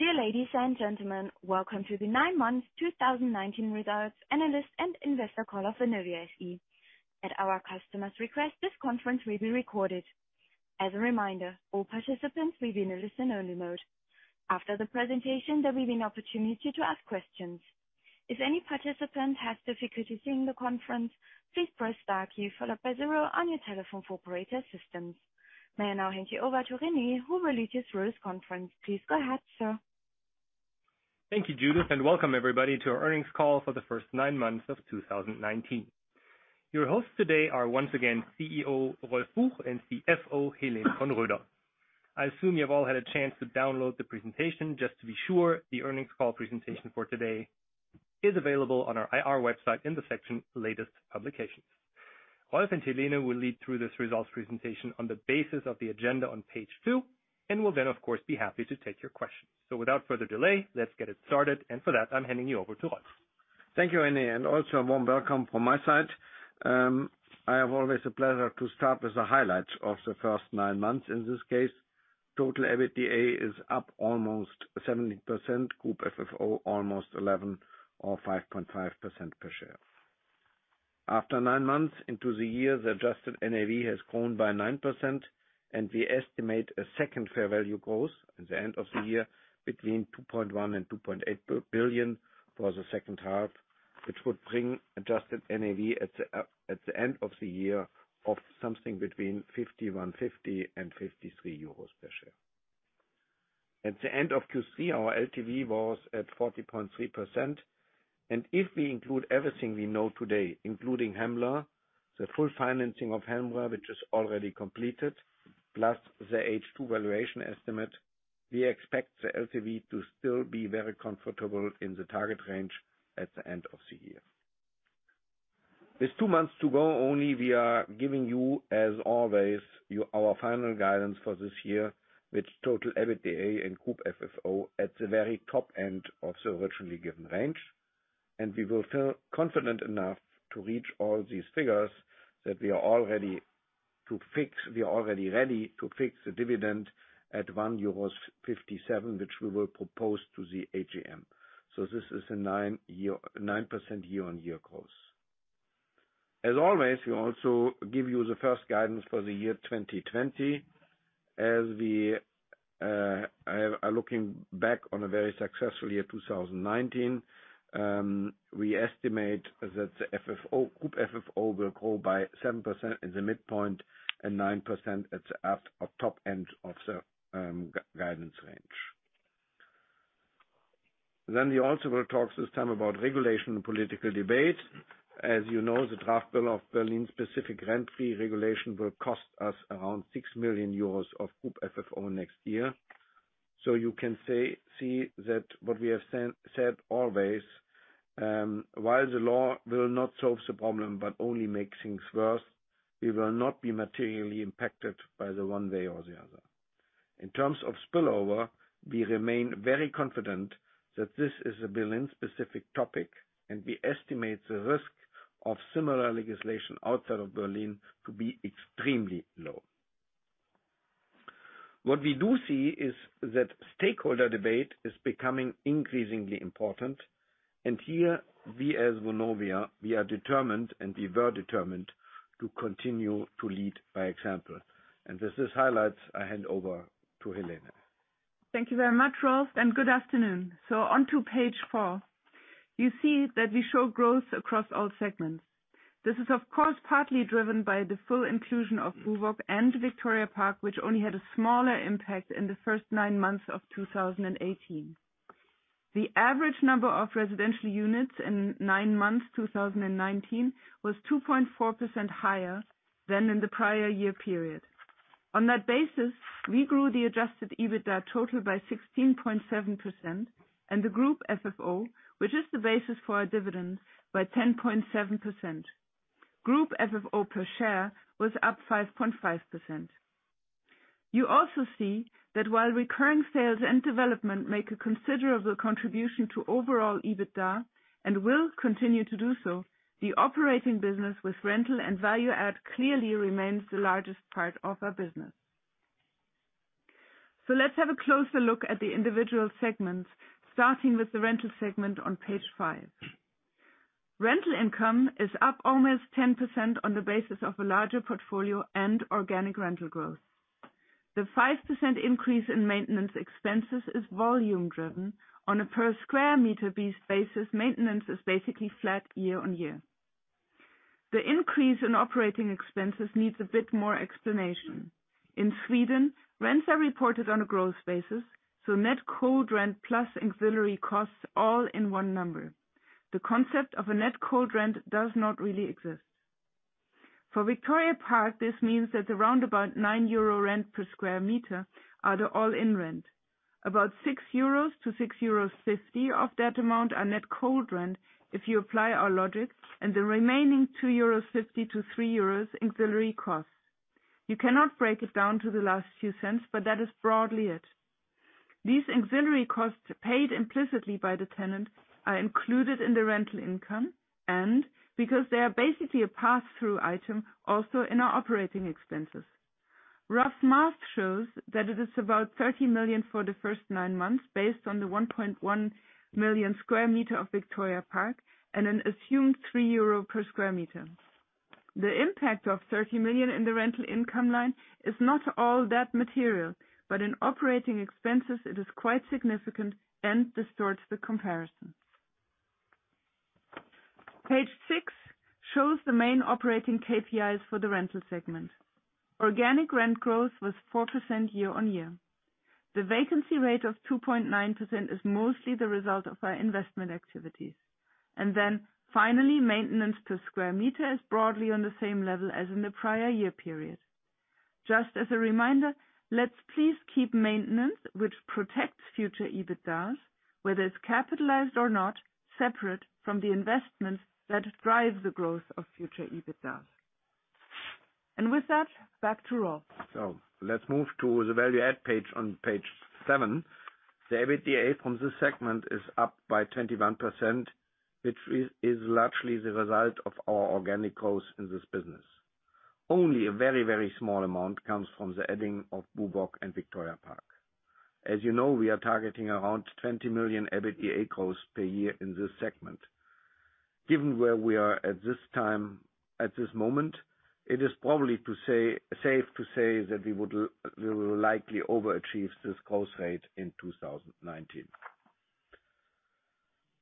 Dear ladies and gentlemen. Welcome to the nine-month 2019 results analyst and investor call of Vonovia SE. At our customer's request, this conference will be recorded. As a reminder, all participants will be in a listen-only mode. After the presentation, there will be an opportunity to ask questions. If any participant has difficulty seeing the conference, please press star key followed by zero on your telephone for operator assistance. May I now hand you over to Rene, who will lead you through this conference. Please go ahead, sir. Thank you, Judith, and welcome everybody to our earnings call for the first nine months of 2019. Your hosts today are once again CEO Rolf Buch and CFO Helene von Roeder. I assume you've all had a chance to download the presentation. Just to be sure, the earnings call presentation for today is available on our IR website in the section Latest Publications. Rolf and Helene will lead through this results presentation on the basis of the agenda on page two, and will then, of course, be happy to take your questions. Without further delay, let's get it started, and for that, I'm handing you over to Rolf. Thank you, Rene, and also a warm welcome from my side. I have always a pleasure to start with the highlights of the first nine months. In this case, total EBITDA is up almost 70%, Group FFO, almost 11% or 5.5% per share. After nine months into the year, the adjusted NAV has grown by 9% and we estimate a second fair value growth at the end of the year between 2.1 billion and 2.8 billion for the second half, which would bring adjusted NAV at the end of the year of something between 51.50 and 53 euros per share. At the end of Q3, our LTV was at 40.3%. If we include everything we know today, including Hembla, the full financing of Hembla, which is already completed, plus the H2 valuation estimate, we expect the LTV to still be very comfortable in the target range at the end of the year. With two months to go only, we are giving you, as always, our final guidance for this year with total EBITDA and Group FFO at the very top end of the virtually given range. We will feel confident enough to reach all these figures that we are already ready to fix the dividend at 1.57 euros, which we will propose to the AGM. This is a 9% year-on-year growth. As always, we also give you the first guidance for the year 2020. We are looking back on a very successful year, 2019, we estimate that the Group FFO will grow by 7% in the midpoint and 9% at the top end of the guidance range. We also will talk this time about regulation and political debate. As you know, the draft bill of Berlin-specific rent freeze regulation will cost us around 6 million euros of Group FFO next year. You can see that what we have said always, while the law will not solve the problem but only make things worse, we will not be materially impacted by the one way or the other. In terms of spillover, we remain very confident that this is a Berlin-specific topic, and we estimate the risk of similar legislation outside of Berlin to be extremely low. What we do see is that stakeholder debate is becoming increasingly important, and here we as Vonovia, we are determined, and we were determined to continue to lead by example. With this highlights, I hand over to Helene. Thank you very much, Rolf, and good afternoon. On to page four. You see that we show growth across all segments. This is of course partly driven by the full inclusion of BUWOG and Victoria Park, which only had a smaller impact in the first nine months of 2018. The average number of residential units in nine months, 2019, was 2.4% higher than in the prior year period. On that basis, we grew the adjusted EBITDA total by 16.7% and the Group FFO, which is the basis for our dividends, by 10.7%. Group FFO per share was up 5.5%. You also see that while recurring sales and development make a considerable contribution to overall EBITDA, and will continue to do so, the operating business with rental and value-add clearly remains the largest part of our business. Let's have a closer look at the individual segments, starting with the rental segment on page five. Rental income is up almost 10% on the basis of a larger portfolio and organic rent growth. The 5% increase in maintenance expenses is volume driven. On a per sq m basis, maintenance is basically flat year-over-year. The increase in operating expenses needs a bit more explanation. In Sweden, rents are reported on a gross basis, net cold rent plus auxiliary costs all in one number. The concept of a net cold rent does not really exist. For Victoria Park, this means that the round about 9 euro rent per sq m are the all-in rent. About 6-6.50 euros of that amount are net cold rent if you apply our logic, and the remaining 2.50-3 euros auxiliary costs. You cannot break it down to the last few cents, but that is broadly it. These auxiliary costs paid implicitly by the tenant are included in the rental income, and because they are basically a pass-through item, also in our operating expenses. Rough math shows that it is about 30 million for the first nine months, based on the 1.1 million square meters of Victoria Park and an assumed 3 euro per square meter. The impact of 30 million in the rental income line is not all that material, but in operating expenses it is quite significant and distorts the comparison. Page six shows the main operating KPIs for the rental segment. Organic rent growth was 4% year-on-year. The vacancy rate of 2.9% is mostly the result of our investment activities. Finally, maintenance per square meter is broadly on the same level as in the prior year period. Just as a reminder, let's please keep maintenance, which protects future EBITDAs, whether it's capitalized or not, separate from the investments that drive the growth of future EBITDAs. With that, back to Rolf. Let's move to the Value-add page on page seven. The EBITDA from this segment is up by 21%, which is largely the result of our organic growth in this business. Only a very small amount comes from the adding of BUWOG and Victoria Park. As you know, we are targeting around 20 million EBITDA growth per year in this segment. Given where we are at this moment, it is probably safe to say that we will likely overachieve this growth rate in 2019.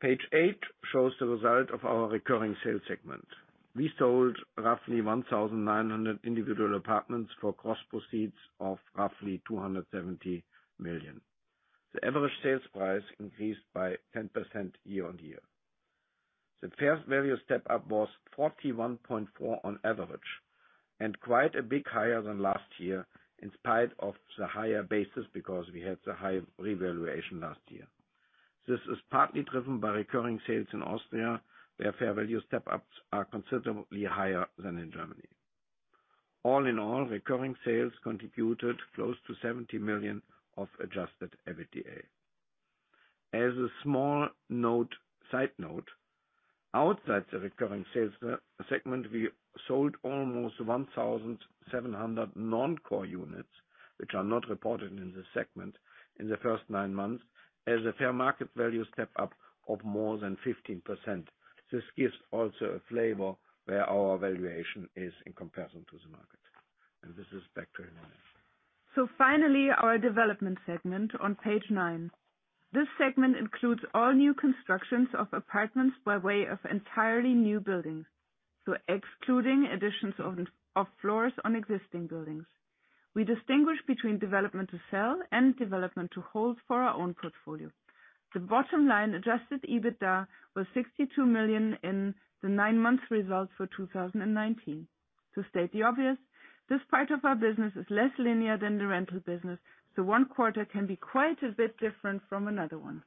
Page eight shows the result of our Recurring sales segment. We sold roughly 1,900 individual apartments for gross proceeds of roughly 270 million. The average sales price increased by 10% year-on-year. The Fair value step up was 41.4% on average, and quite a bit higher than last year in spite of the higher basis, because we had the high revaluation last year. This is partly driven by recurring sales in Austria, where fair value step ups are considerably higher than in Germany. Recurring sales contributed close to 70 million of adjusted EBITDA. As a small side note, outside the recurring sales segment, we sold almost 1,700 non-core units, which are not reported in this segment in the first nine months, as a fair value step up of more than 15%. This gives also a flavor where our valuation is in comparison to the market. This is back to Helene. Finally, our Development segment on page nine. This segment includes all new constructions of apartments by way of entirely new buildings. Excluding additions of floors on existing buildings. We distinguish between Development to sell and Development to hold for our own portfolio. The bottom line, adjusted EBITDA, was 62 million in the nine-month results for 2019. To state the obvious, this part of our business is less linear than the rental business, one quarter can be quite a bit different from another one.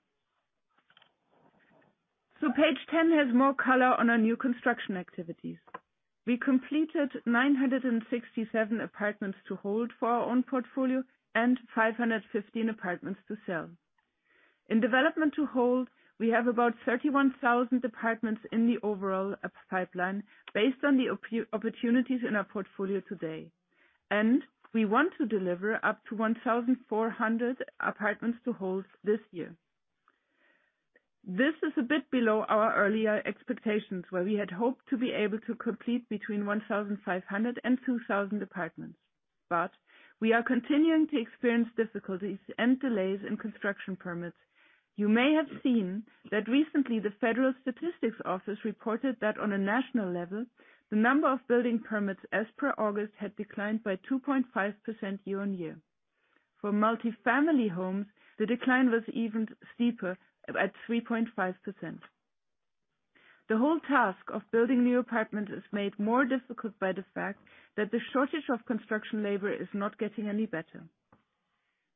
Page 10 has more color on our new construction activities. We completed 967 apartments to hold for our own portfolio and 515 apartments to sell. In Development to hold, we have about 31,000 apartments in the overall pipeline based on the opportunities in our portfolio today. We want to deliver up to 1,400 apartments to hold this year. This is a bit below our earlier expectations, where we had hoped to be able to complete between 1,500 and 2,000 apartments. We are continuing to experience difficulties and delays in construction permits. You may have seen that recently the Federal Statistical Office reported that on a national level, the number of building permits as per August had declined by 2.5% year-on-year. For multi-family homes, the decline was even steeper at 3.5%. The whole task of building new apartments is made more difficult by the fact that the shortage of construction labor is not getting any better.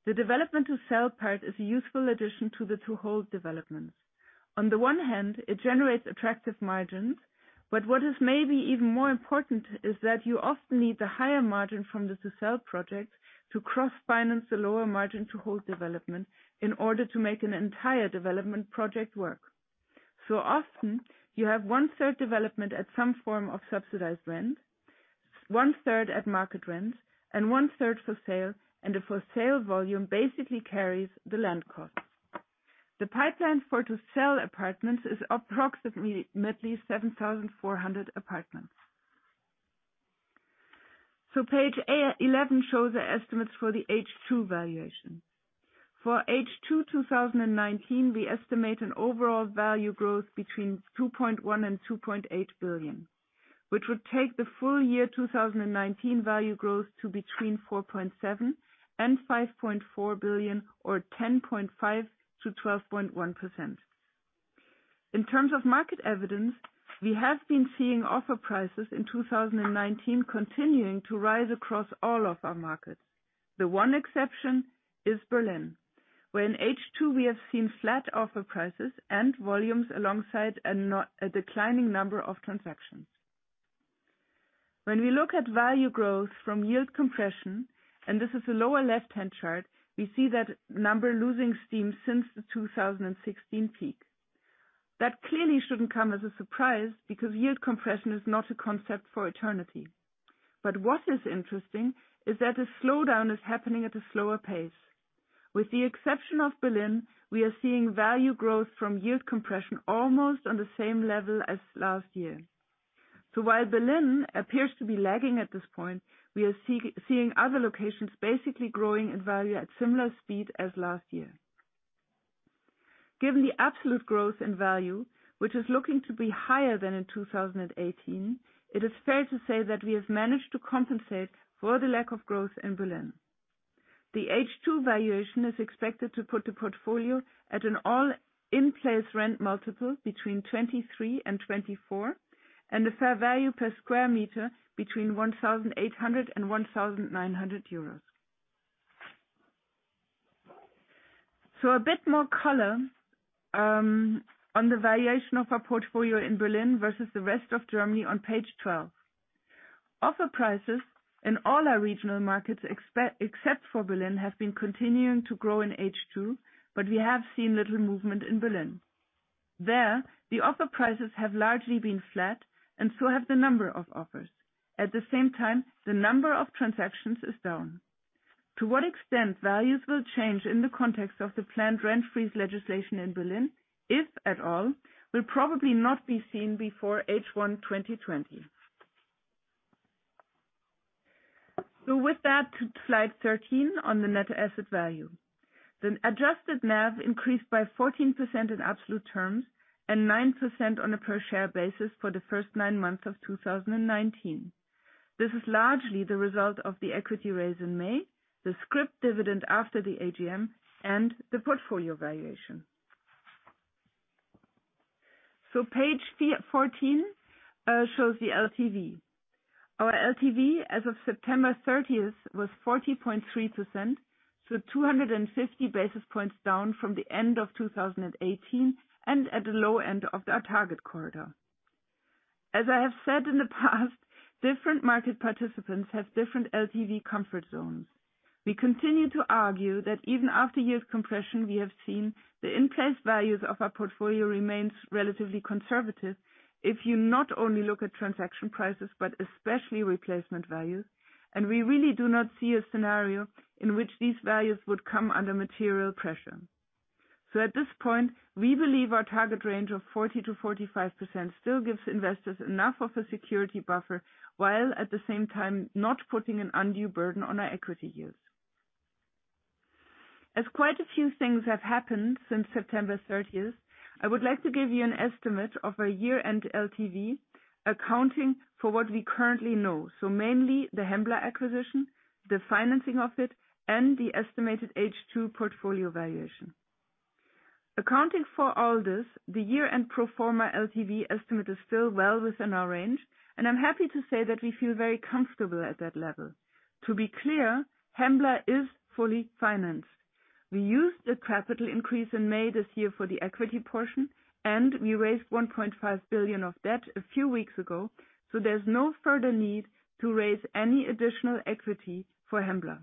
The Development to sell part is a useful addition to the Development to hold developments. On the one hand, it generates attractive margins. What is maybe even more important is that you often need the higher margin from the To sell project to cross-finance the lower margin To hold development in order to make an entire development project work. Often you have one-third development at some form of subsidized rent, one-third at market rent, and one-third for sale, and the for sale volume basically carries the land costs. The pipeline for To sell apartments is approximately 7,400 apartments. Page 11 shows the estimates for the H2 valuation. For H2 2019, we estimate an overall value growth between 2.1 billion and 2.8 billion, which would take the full year 2019 value growth to between 4.7 billion and 5.4 billion, or 10.5%-12.1%. In terms of market evidence, we have been seeing offer prices in 2019 continuing to rise across all of our markets. The one exception is Berlin, where in H2 we have seen flat offer prices and volumes alongside a declining number of transactions. When we look at value growth from yield compression, and this is the lower left-hand chart, we see that number losing steam since the 2016 peak. What is interesting is that the slowdown is happening at a slower pace. With the exception of Berlin, we are seeing value growth from yield compression almost on the same level as last year. While Berlin appears to be lagging at this point, we are seeing other locations basically growing in value at similar speed as last year. Given the absolute growth in value, which is looking to be higher than in 2018, it is fair to say that we have managed to compensate for the lack of growth in Berlin. The H2 valuation is expected to put the portfolio at an all-in place rent multiple between 23 and 24, and a fair value per sq m between 1,800 and 1,900 euros. A bit more color on the valuation of our portfolio in Berlin versus the rest of Germany on page 12. Offer prices in all our regional markets except for Berlin, have been continuing to grow in H2, but we have seen little movement in Berlin. There, the offer prices have largely been flat and so have the number of offers. At the same time, the number of transactions is down. To what extent values will change in the context of the planned rent-freeze legislation in Berlin, if at all, will probably not be seen before H1 2020. With that, to slide 13 on the net asset value. The adjusted NAV increased by 14% in absolute terms and 9% on a per share basis for the first nine months of 2019. This is largely the result of the equity raise in May, the scrip dividend after the AGM, and the portfolio valuation. Page 14 shows the LTV. Our LTV as of September 30th was 40.3%, so 250 basis points down from the end of 2018 and at the low end of our target corridor. As I have said in the past, different market participants have different LTV comfort zones. We continue to argue that even after yield compression we have seen, the in-place values of our portfolio remains relatively conservative if you not only look at transaction prices, but especially replacement values. We really do not see a scenario in which these values would come under material pressure. At this point, we believe our target range of 40%-45% still gives investors enough of a security buffer, while at the same time not putting an undue burden on our equity use. As quite a few things have happened since September 30th, I would like to give you an estimate of our year-end LTV, accounting for what we currently know. Mainly the Hembla acquisition, the financing of it, and the estimated H2 portfolio valuation. Accounting for all this, the year-end pro forma LTV estimate is still well within our range, and I'm happy to say that we feel very comfortable at that level. To be clear, Hembla is fully financed. We used the capital increase in May this year for the equity portion. We raised 1.5 billion of debt a few weeks ago. There's no further need to raise any additional equity for Hembla.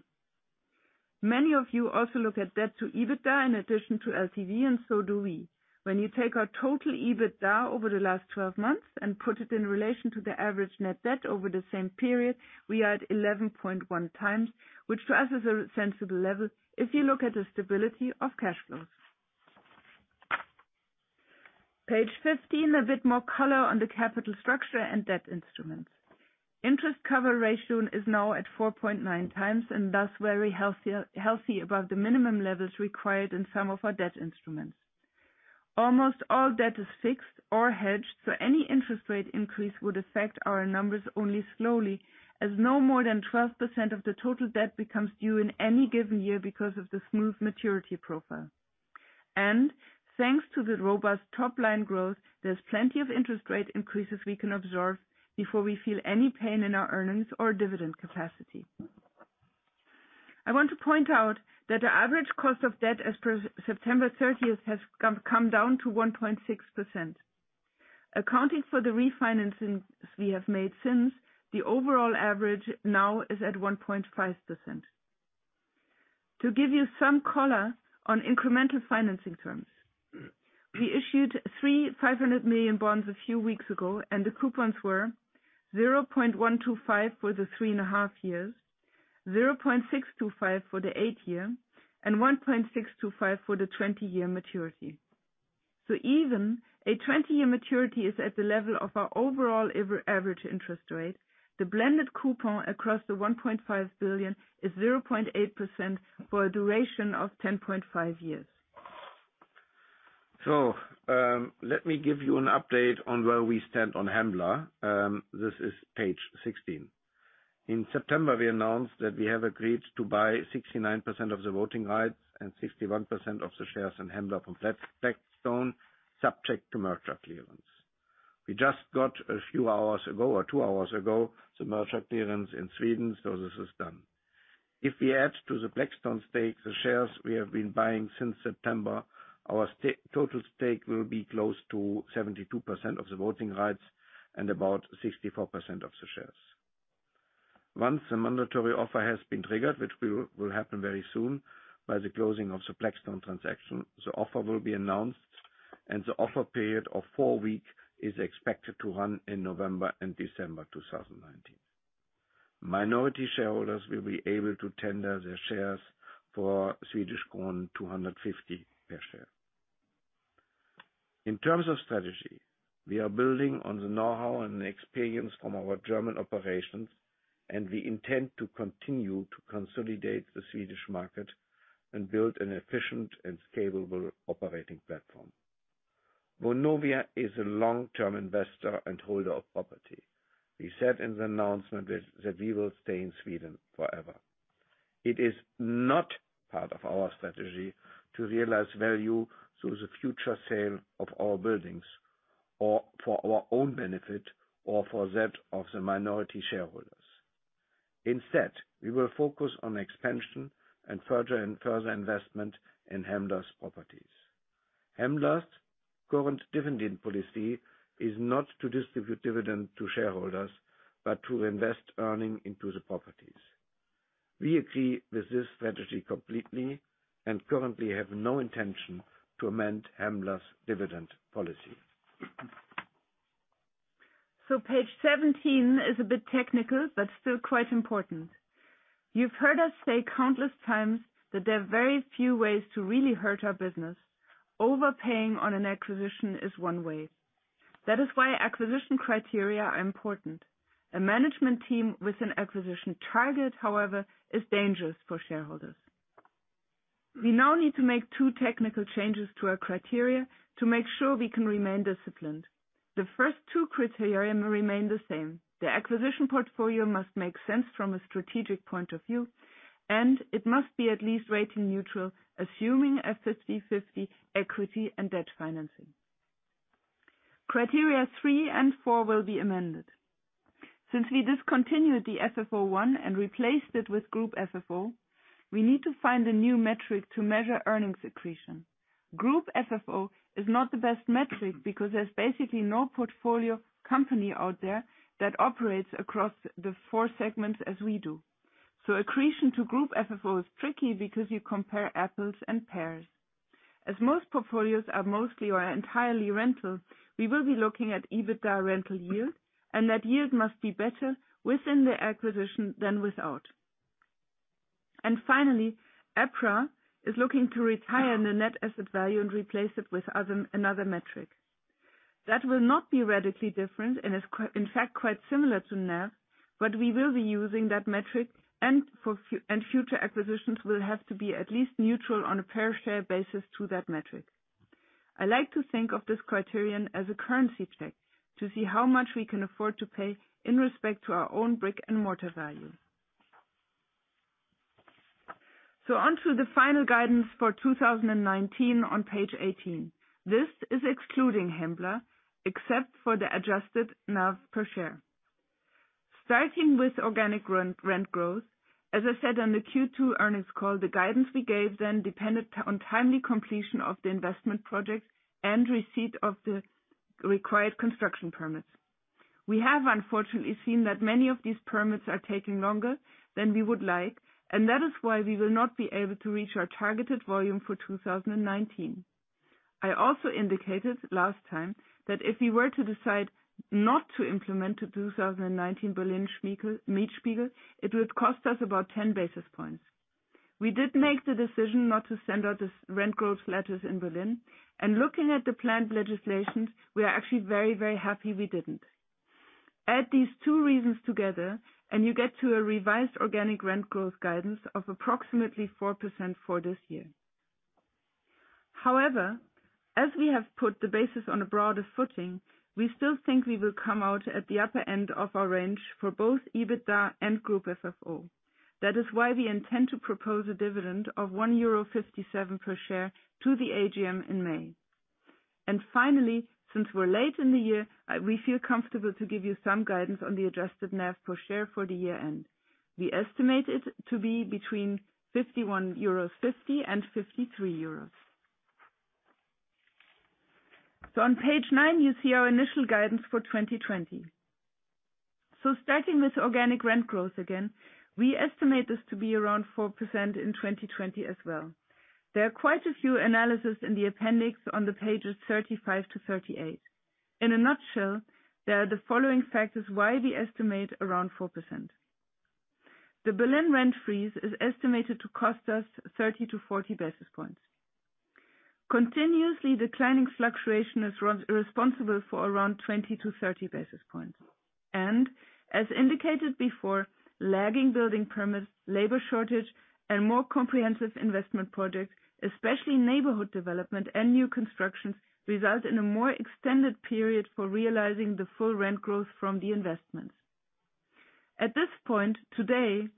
Many of you also look at debt to EBITDA in addition to LTV. So do we. When you take our total EBITDA over the last 12 months and put it in relation to the average net debt over the same period, we are at 11.1 times, which to us is a sensible level if you look at the stability of cash flows. Page 15, a bit more color on the capital structure and debt instruments. Interest cover ratio is now at 4.9 times and thus very healthy above the minimum levels required in some of our debt instruments. Almost all debt is fixed or hedged, so any interest rate increase would affect our numbers only slowly, as no more than 12% of the total debt becomes due in any given year because of the smooth maturity profile. Thanks to the robust top-line growth, there's plenty of interest rate increases we can absorb before we feel any pain in our earnings or dividend capacity. I want to point out that the average cost of debt as per September 30th has come down to 1.6%. Accounting for the refinancings we have made since, the overall average now is at 1.5%. To give you some color on incremental financing terms, we issued three 500 million bonds a few weeks ago, and the coupons were 0.125% for the 3.5 years, 0.625% for the 8-year, and 1.625% for the 20-year maturity. Even a 20-year maturity is at the level of our overall average interest rate. The blended coupon across the 1.5 billion is 0.8% for a duration of 10.5 years. Let me give you an update on where we stand on Hembla. This is page 16. In September, we announced that we have agreed to buy 69% of the voting rights and 61% of the shares in Hembla from Blackstone, subject to merger clearance. We just got, a few hours ago or two hours ago, the merger clearance in Sweden, this is done. If we add to the Blackstone stake the shares we have been buying since September, our total stake will be close to 72% of the voting rights and about 64% of the shares. Once the mandatory offer has been triggered, which will happen very soon by the closing of the Blackstone transaction, the offer will be announced, and the offer period of four weeks is expected to run in November and December 2019. Minority shareholders will be able to tender their shares for 250 per share. In terms of strategy, we are building on the know-how and experience from our German operations. We intend to continue to consolidate the Swedish market and build an efficient and scalable operating platform. Vonovia is a long-term investor and holder of property. We said in the announcement that we will stay in Sweden forever. It is not part of our strategy to realize value through the future sale of our buildings or for our own benefit or for that of the minority shareholders. Instead, we will focus on expansion and further investment in Hembla's properties. Hembla's current dividend policy is not to distribute dividend to shareholders, but to invest earnings into the properties. We agree with this strategy completely and currently have no intention to amend Hembla's dividend policy. Page 17 is a bit technical but still quite important. You've heard us say countless times that there are very few ways to really hurt our business. Overpaying on an acquisition is one way. That is why acquisition criteria are important. A management team with an acquisition target, however, is dangerous for shareholders. We now need to make two technical changes to our criteria to make sure we can remain disciplined. The first two criteria remain the same. The acquisition portfolio must make sense from a strategic point of view, and it must be at least rating neutral, assuming a 50/50 equity and debt financing. Criteria three and four will be amended. Since we discontinued the FFO 1 and replaced it with Group FFO, we need to find a new metric to measure earnings accretion. Group FFO is not the best metric because there's basically no portfolio company out there that operates across the four segments as we do. Accretion to Group FFO is tricky because you compare apples and pears. As most portfolios are mostly or entirely rental, we will be looking at EBITDA rental yield, and that yield must be better within the acquisition than without. Finally, EPRA is looking to retire the net asset value and replace it with another metric. That will not be radically different and is, in fact, quite similar to NAV, but we will be using that metric, and future acquisitions will have to be at least neutral on a per share basis to that metric. I like to think of this criterion as a currency check to see how much we can afford to pay in respect to our own brick-and-mortar value. On to the final guidance for 2019 on page 18. This is excluding Hembla, except for the adjusted NAV per share. Starting with organic rent growth, as I said on the Q2 earnings call, the guidance we gave then depended on timely completion of the investment projects and receipt of the required construction permits. We have unfortunately seen that many of these permits are taking longer than we would like, and that is why we will not be able to reach our targeted volume for 2019. I also indicated last time that if we were to decide not to implement the 2019 Berlin Mietspiegel, it would cost us about 10 basis points. We did make the decision not to send out the rent growth letters in Berlin, and looking at the planned legislations, we are actually very, very happy we didn't. Add these two reasons together, you get to a revised organic rent growth guidance of approximately 4% for this year. However, as we have put the basis on a broader footing, we still think we will come out at the upper end of our range for both EBITDA and Group FFO. That is why we intend to propose a dividend of €1.57 per share to the AGM in May. Finally, since we're late in the year, we feel comfortable to give you some guidance on the adjusted NAV per share for the year-end. We estimate it to be between €51.50 and €53. On page nine, you see our initial guidance for 2020. Starting with organic rent growth again, we estimate this to be around 4% in 2020 as well. There are quite a few analyses in the appendix on the pages 35 to 38. In a nutshell, there are the following factors why we estimate around 4%. The Berlin rent freeze is estimated to cost us 30-40 basis points. Continuously declining fluctuation is responsible for around 20-30 basis points. As indicated before, lagging building permits, labor shortage, and more comprehensive investment projects, especially neighborhood development and new constructions, result in a more extended period for realizing the full rent growth from the investments. At this point today,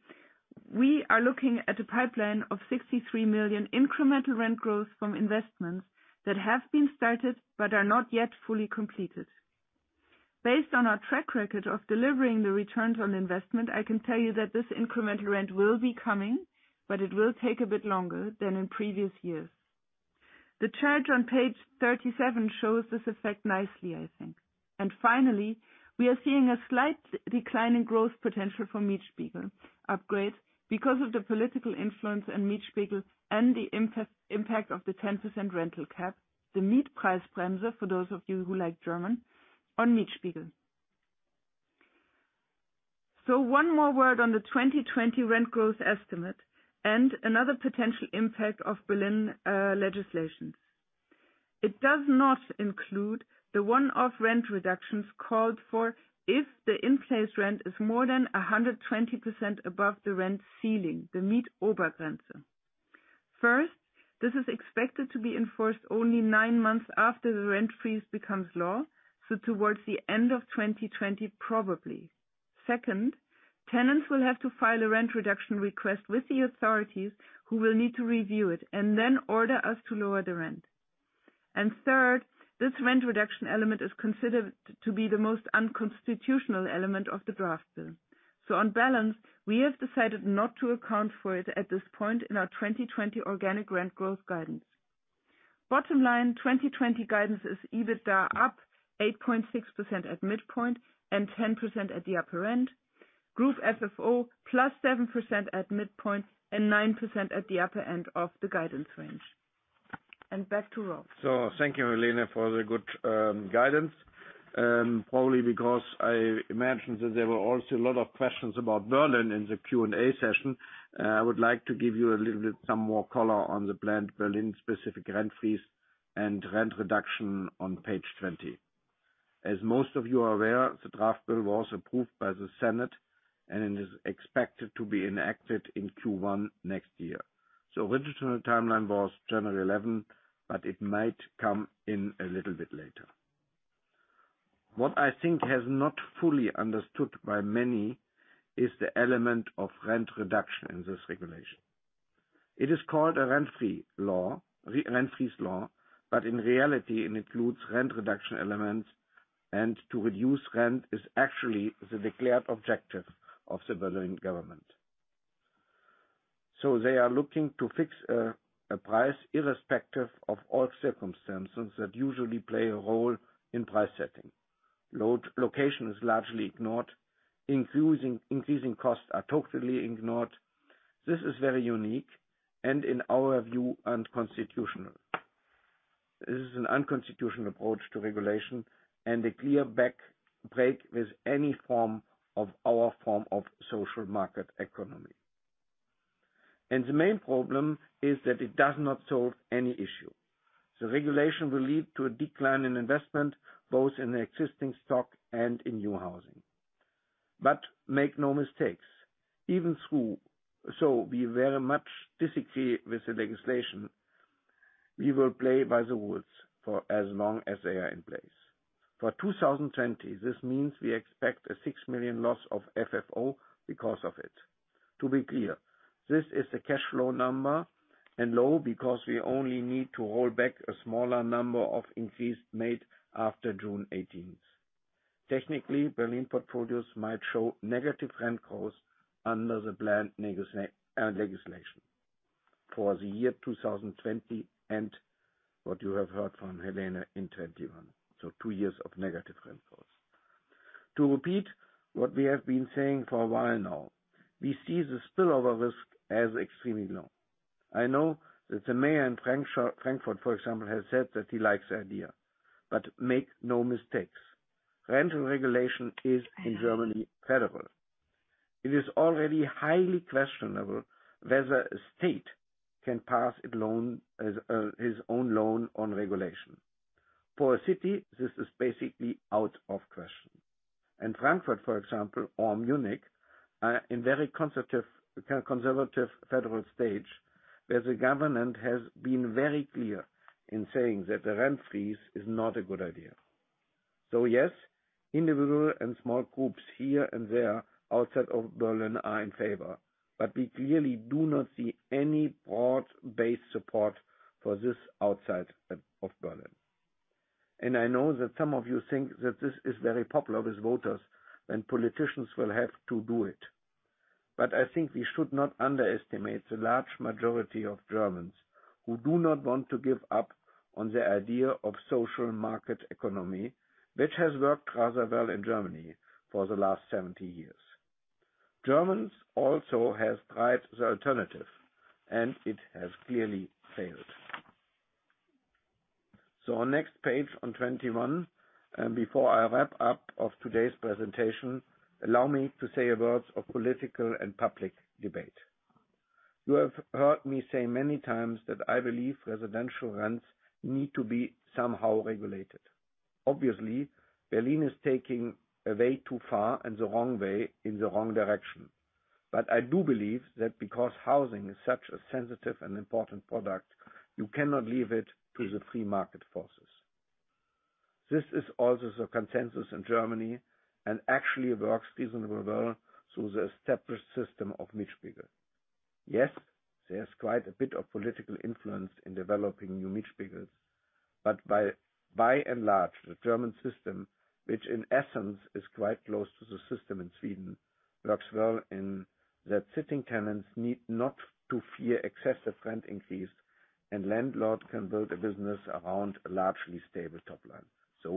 we are looking at a pipeline of 63 million incremental rent growth from investments that have been started but are not yet fully completed. Based on our track record of delivering the returns on investment, I can tell you that this incremental rent will be coming, but it will take a bit longer than in previous years. The chart on page 37 shows this effect nicely, I think. Finally, we are seeing a slight decline in growth potential for Mietspiegel upgrades because of the political influence in Mietspiegel and the impact of the 10% rental cap, the Mietpreisbremse for those of you who like German, on Mietspiegel. One more word on the 2020 rent growth estimate and another potential impact of Berlin legislations. It does not include the one-off rent reductions called for if the in-place rent is more than 120% above the rent ceiling, the Mietobergrenze. First, this is expected to be enforced only nine months after the rent freeze becomes law, so towards the end of 2020, probably. Second, tenants will have to file a rent reduction request with the authorities, who will need to review it and then order us to lower the rent. Third, this rent reduction element is considered to be the most unconstitutional element of the draft bill. On balance, we have decided not to account for it at this point in our 2020 organic rent growth guidance. Bottom line, 2020 guidance is, EBITDA up 8.6% at midpoint and 10% at the upper end. Group FFO +7% at midpoint and 9% at the upper end of the guidance range. Back to Rolf. Thank you, Helene, for the good guidance. Probably because I imagine that there were also a lot of questions about Berlin in the Q&A session. I would like to give you a little bit some more color on the planned Berlin specific rent freeze and rent reduction on page 20. As most of you are aware, the draft bill was approved by the Senate and it is expected to be enacted in Q1 next year. The original timeline was January 11, but it might come in a little bit later. What I think has not fully understood by many is the element of rent reduction in this regulation. It is called a rent freeze law, but in reality, it includes rent reduction elements and to reduce rent is actually the declared objective of the Berlin government. They are looking to fix a price irrespective of all circumstances that usually play a role in price setting. Location is largely ignored. Increasing costs are totally ignored. This is very unique and in our view, unconstitutional. This is an unconstitutional approach to regulation and a clear break with any form of our social market economy. The main problem is that it does not solve any issue. The regulation will lead to a decline in investment, both in existing stock and in new housing. Make no mistakes, even so we very much disagree with the legislation, we will play by the rules for as long as they are in place. For 2020, this means we expect a 6 million loss of FFO because of it. To be clear, this is a cash flow number and low because we only need to roll back a smaller number of increases made after June 18th. Technically, Berlin portfolios might show negative rent growth under the planned legislation for the year 2020 and what you have heard from Helene in 2021. Two years of negative rent growth. To repeat what we have been saying for a while now, we see the spillover risk as extremely low. I know that the mayor in Frankfurt, for example, has said that he likes the idea. Make no mistakes. Rental regulation is in Germany federal. It is already highly questionable whether a state can pass his own law on regulation. For a city, this is basically out of question. Frankfurt, for example, or Munich, are in very conservative federal stage, where the government has been very clear in saying that the rent freeze is not a good idea. Yes, individual and small groups here and there outside of Berlin are in favor. We clearly do not see any broad-based support for this outside of Berlin. I know that some of you think that this is very popular with voters and politicians will have to do it. I think we should not underestimate the large majority of Germans who do not want to give up on the idea of social market economy, which has worked rather well in Germany for the last 70 years. Germans also have tried the alternative, and it has clearly failed. Our next page on 21, before I wrap up of today's presentation, allow me to say a word of political and public debate. You have heard me say many times that I believe residential rents need to be somehow regulated. Obviously, Berlin is taking a way too far and the wrong way in the wrong direction. I do believe that because housing is such a sensitive and important product, you cannot leave it to the free market forces. This is also the consensus in Germany and actually works reasonably well through the established system of Mietspiegel. Yes, there's quite a bit of political influence in developing new Mietspiegels. By and large, the German system, which in essence is quite close to the system in Sweden, works well in that sitting tenants need not to fear excessive rent increase, and landlord can build a business around a largely stable top line.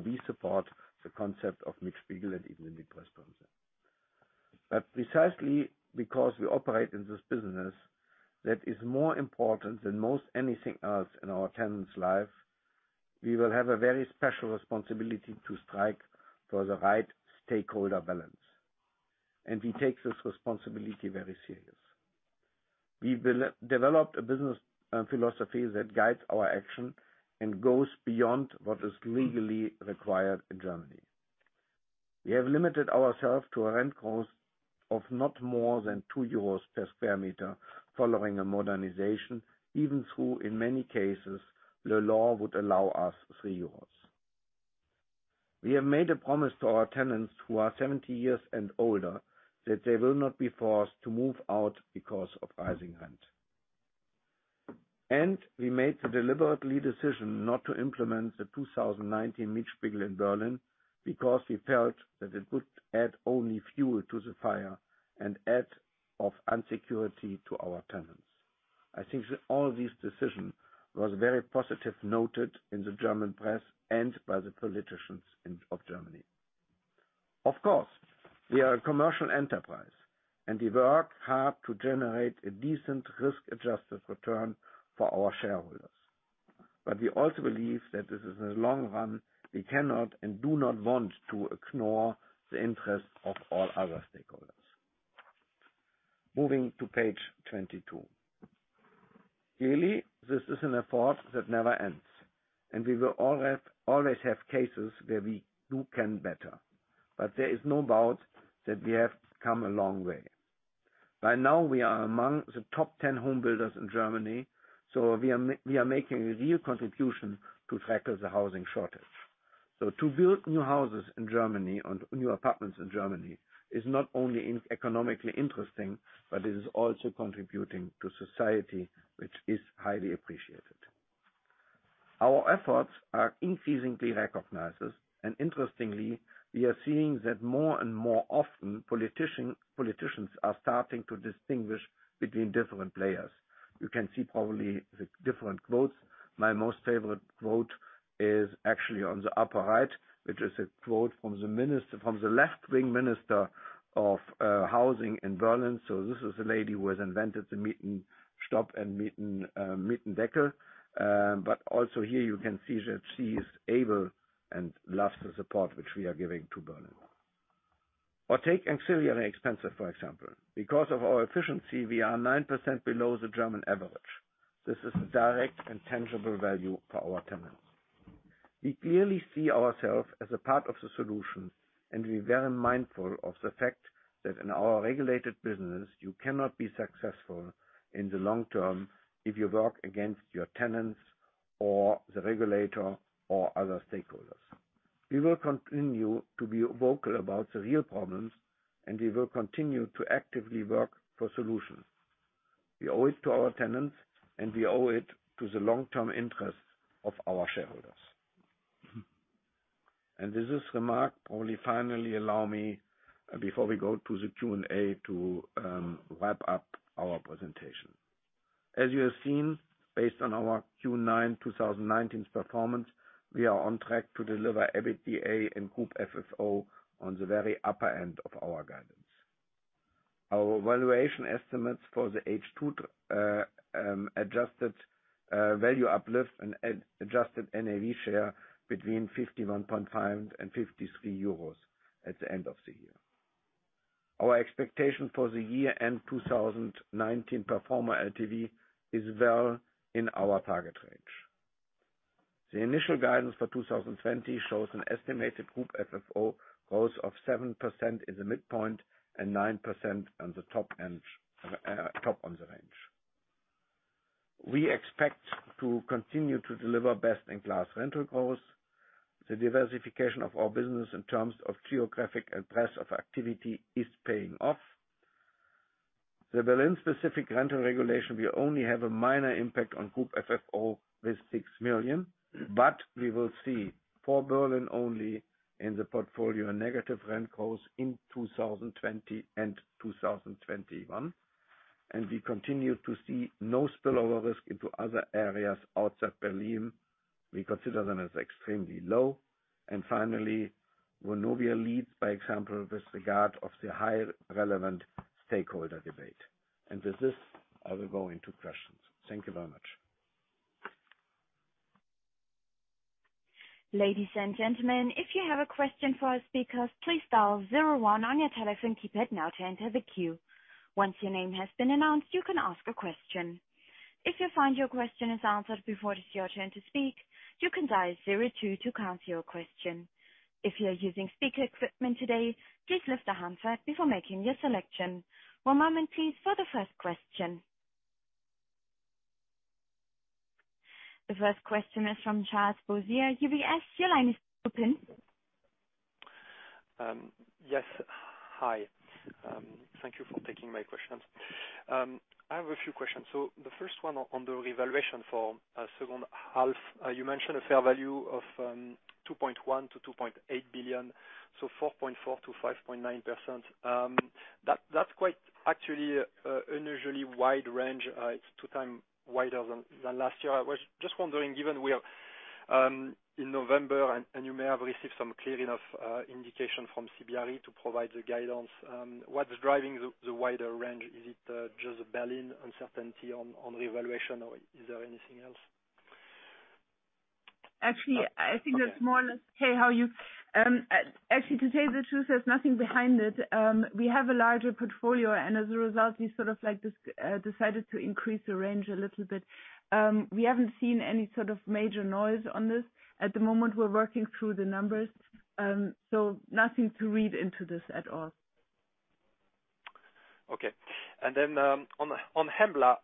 We support the concept of Mietspiegel and even the Mieterstrom. Precisely because we operate in this business, that is more important than most anything else in our tenants' life. We will have a very special responsibility to strike for the right stakeholder balance. We take this responsibility very serious. We've developed a business philosophy that guides our action and goes beyond what is legally required in Germany. We have limited ourself to a rent cost of not more than 2 euros per square meter following a modernization, even through in many cases, the law would allow us 3 euros. We have made a promise to our tenants who are 70 years and older that they will not be forced to move out because of rising rent. We made the deliberately decision not to implement the 2019 Mietspiegel in Berlin because we felt that it would add only fuel to the fire and add of insecurity to our tenants. I think that all these decision was very positive noted in the German press and by the politicians of Germany. Of course, we are a commercial enterprise, we work hard to generate a decent risk-adjusted return for our shareholders. We also believe that this is a long run, we cannot and do not want to ignore the interest of all other stakeholders. Moving to page 22. Clearly, this is an effort that never ends, and we will always have cases where we do can better. There is no doubt that we have come a long way. By now, we are among the top 10 home builders in Germany, so we are making a real contribution to tackle the housing shortage. To build new houses in Germany or new apartments in Germany is not only economically interesting, but it is also contributing to society, which is highly appreciated. Our efforts are increasingly recognized. Interestingly, we are seeing that more and more often, politicians are starting to distinguish between different players. You can see probably the different quotes. My most favorite quote is actually on the upper right, which is a quote from the left-wing minister of housing in Berlin. This is the lady who has invented the Mietenstopp and Mietendeckel. Also here you can see that she is able and loves the support which we are giving to Berlin. Take ancillary expenses, for example. Because of our efficiency, we are 9% below the German average. This is a direct and tangible value for our tenants. We clearly see ourselves as a part of the solution, and we're very mindful of the fact that in our regulated business, you cannot be successful in the long term if you work against your tenants or the regulator or other stakeholders. We will continue to be vocal about the real problems, and we will continue to actively work for solutions. We owe it to our tenants, and we owe it to the long-term interests of our shareholders. This remark probably finally allow me, before we go to the Q&A, to wrap up our presentation. As you have seen, based on our Q4 2019's performance, we are on track to deliver EBITDA and Group FFO on the very upper end of our guidance. Our valuation estimates for the H2 adjusted value uplift and adjusted NAV share between 51.5 and 53 euros at the end of the year. Our expectation for the year-end 2019 performer LTV is well in our target range. The initial guidance for 2020 shows an estimated Group FFO growth of 7% in the midpoint and 9% on the top on the range. We expect to continue to deliver best-in-class rental growth. The diversification of our business in terms of geographic and pace of activity is paying off. The Berlin specific rental regulation will only have a minor impact on Group FFO with 6 million, but we will see for Berlin only in the portfolio a negative rent growth in 2020 and 2021. We continue to see no spillover risk into other areas outside Berlin. We consider them as extremely low. Finally, Vonovia leads by example with regard of the high relevant stakeholder debate. With this, I will go into questions. Thank you very much. Ladies and gentlemen, if you have a question for our speakers, please dial 01 on your telephone keypad now to enter the queue. Once your name has been announced, you can ask a question. If you find your question is answered before it is your turn to speak, you can dial 02 to cancel your question. If you are using speaker equipment today, please lift the handset before making your selection. One moment please for the first question. The first question is from Charles Boissier, UBS. Your line is open. Yes. Hi. Thank you for taking my questions. I have a few questions. The first one on the revaluation for second half. You mentioned a fair value of 2.1 billion-2.8 billion, 4.4%-5.9%. That's quite actually unusually wide range. It's two times wider than last year. I was just wondering, given we are in November, and you may have received some clear enough indication from CBRE to provide the guidance. What's driving the wider range? Is it just Berlin uncertainty on revaluation, or is there anything else? Actually, I think that's more or less, hey, how are you? Actually, to tell you the truth, there's nothing behind it. We have a larger portfolio, and as a result, we sort of decided to increase the range a little bit. We haven't seen any sort of major noise on this. At the moment, we're working through the numbers. Nothing to read into this at all. Okay. On Hembla,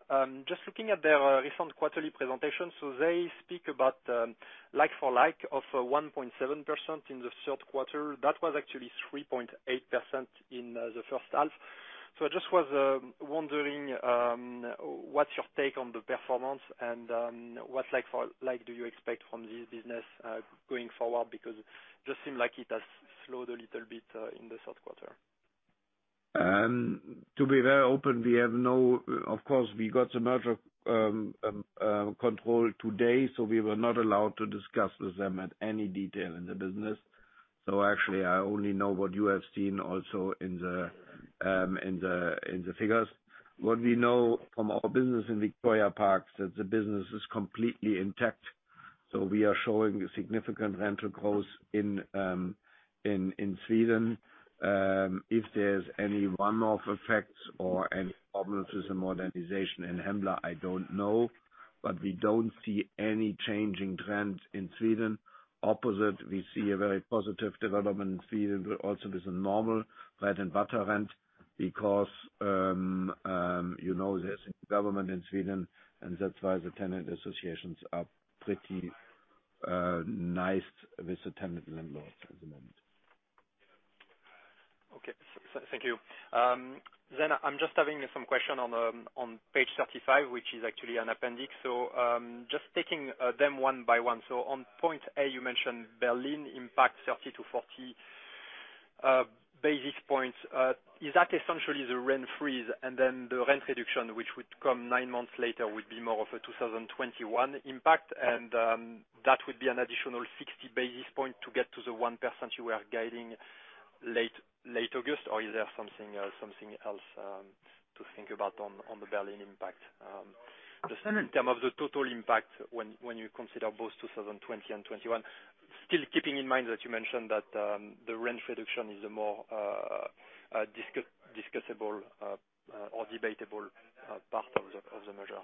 just looking at their recent quarterly presentation. They speak about like-for-like of 1.7% in the third quarter. That was actually 3.8% in the first half. I just was wondering, what's your take on the performance and what like do you expect from this business going forward? Because it just seem like it has slowed a little bit in the third quarter. To be very open, of course, we got the merger control today, so we were not allowed to discuss with them at any detail in the business. Actually, I only know what you have seen also in the figures. What we know from our business in Victoria Park is that the business is completely intact. We are showing significant rental growth in Sweden. If there's any one-off effects or any problems with some modernization in Hembla, I don't know. We don't see any changing trends in Sweden. Opposite, we see a very positive development in Sweden, but also there's a normal bread-and-butter rent because there's a new government in Sweden, and that's why the tenant associations are pretty nice with the tenant landlords at the moment. Thank you. I'm just having some question on page 35, which is actually an appendix. Just taking them one by one. On point A, you mentioned Berlin impact 30 to 40 basis points. Is that essentially the rent freeze, and then the rent reduction, which would come nine months later, would be more of a 2021 impact, and that would be an additional 60 basis point to get to the 1% you were guiding late August? Is there something else to think about on the Berlin impact? Just in term of the total impact when you consider both 2020 and 2021. Still keeping in mind that you mentioned that the rent reduction is a more discussable or debatable part of the merger.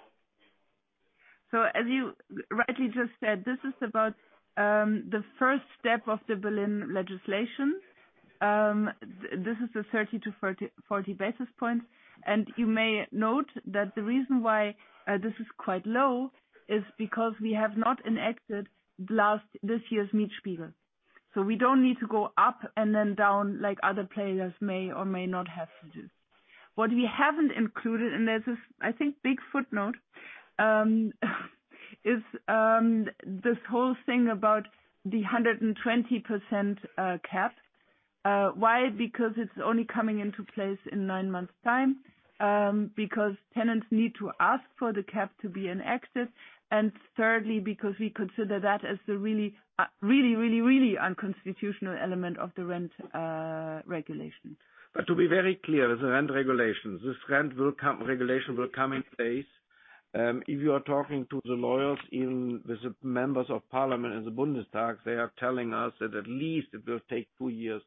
As you rightly just said, this is about the first step of the Berlin legislation. This is the 30-40 basis points. You may note that the reason why this is quite low is because we have not enacted this year's Mietspiegel. We don't need to go up and then down like other players may or may not have to do. What we haven't included, there's this, I think, big footnote, is this whole thing about the 120% cap. Why? Because it's only coming into place in nine months time. Because tenants need to ask for the cap to be in access. Thirdly, because we consider that as the really unconstitutional element of the rent regulation. To be very clear, the rent regulation. This rent regulation will come in place. If you are talking to the lawyers, even with the members of Parliament and the Bundestag, they are telling us that at least it will take two years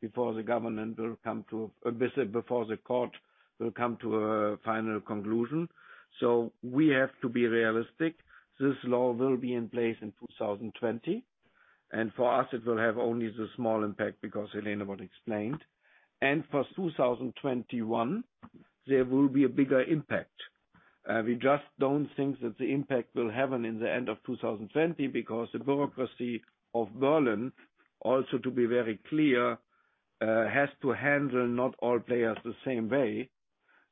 before the court will come to a final conclusion. We have to be realistic. This law will be in place in 2020, and for us, it will have only the small impact because Helene what explained. For 2021, there will be a bigger impact. We just don't think that the impact will happen in the end of 2020 because the bureaucracy of Berlin, also to be very clear, has to handle not all players the same way.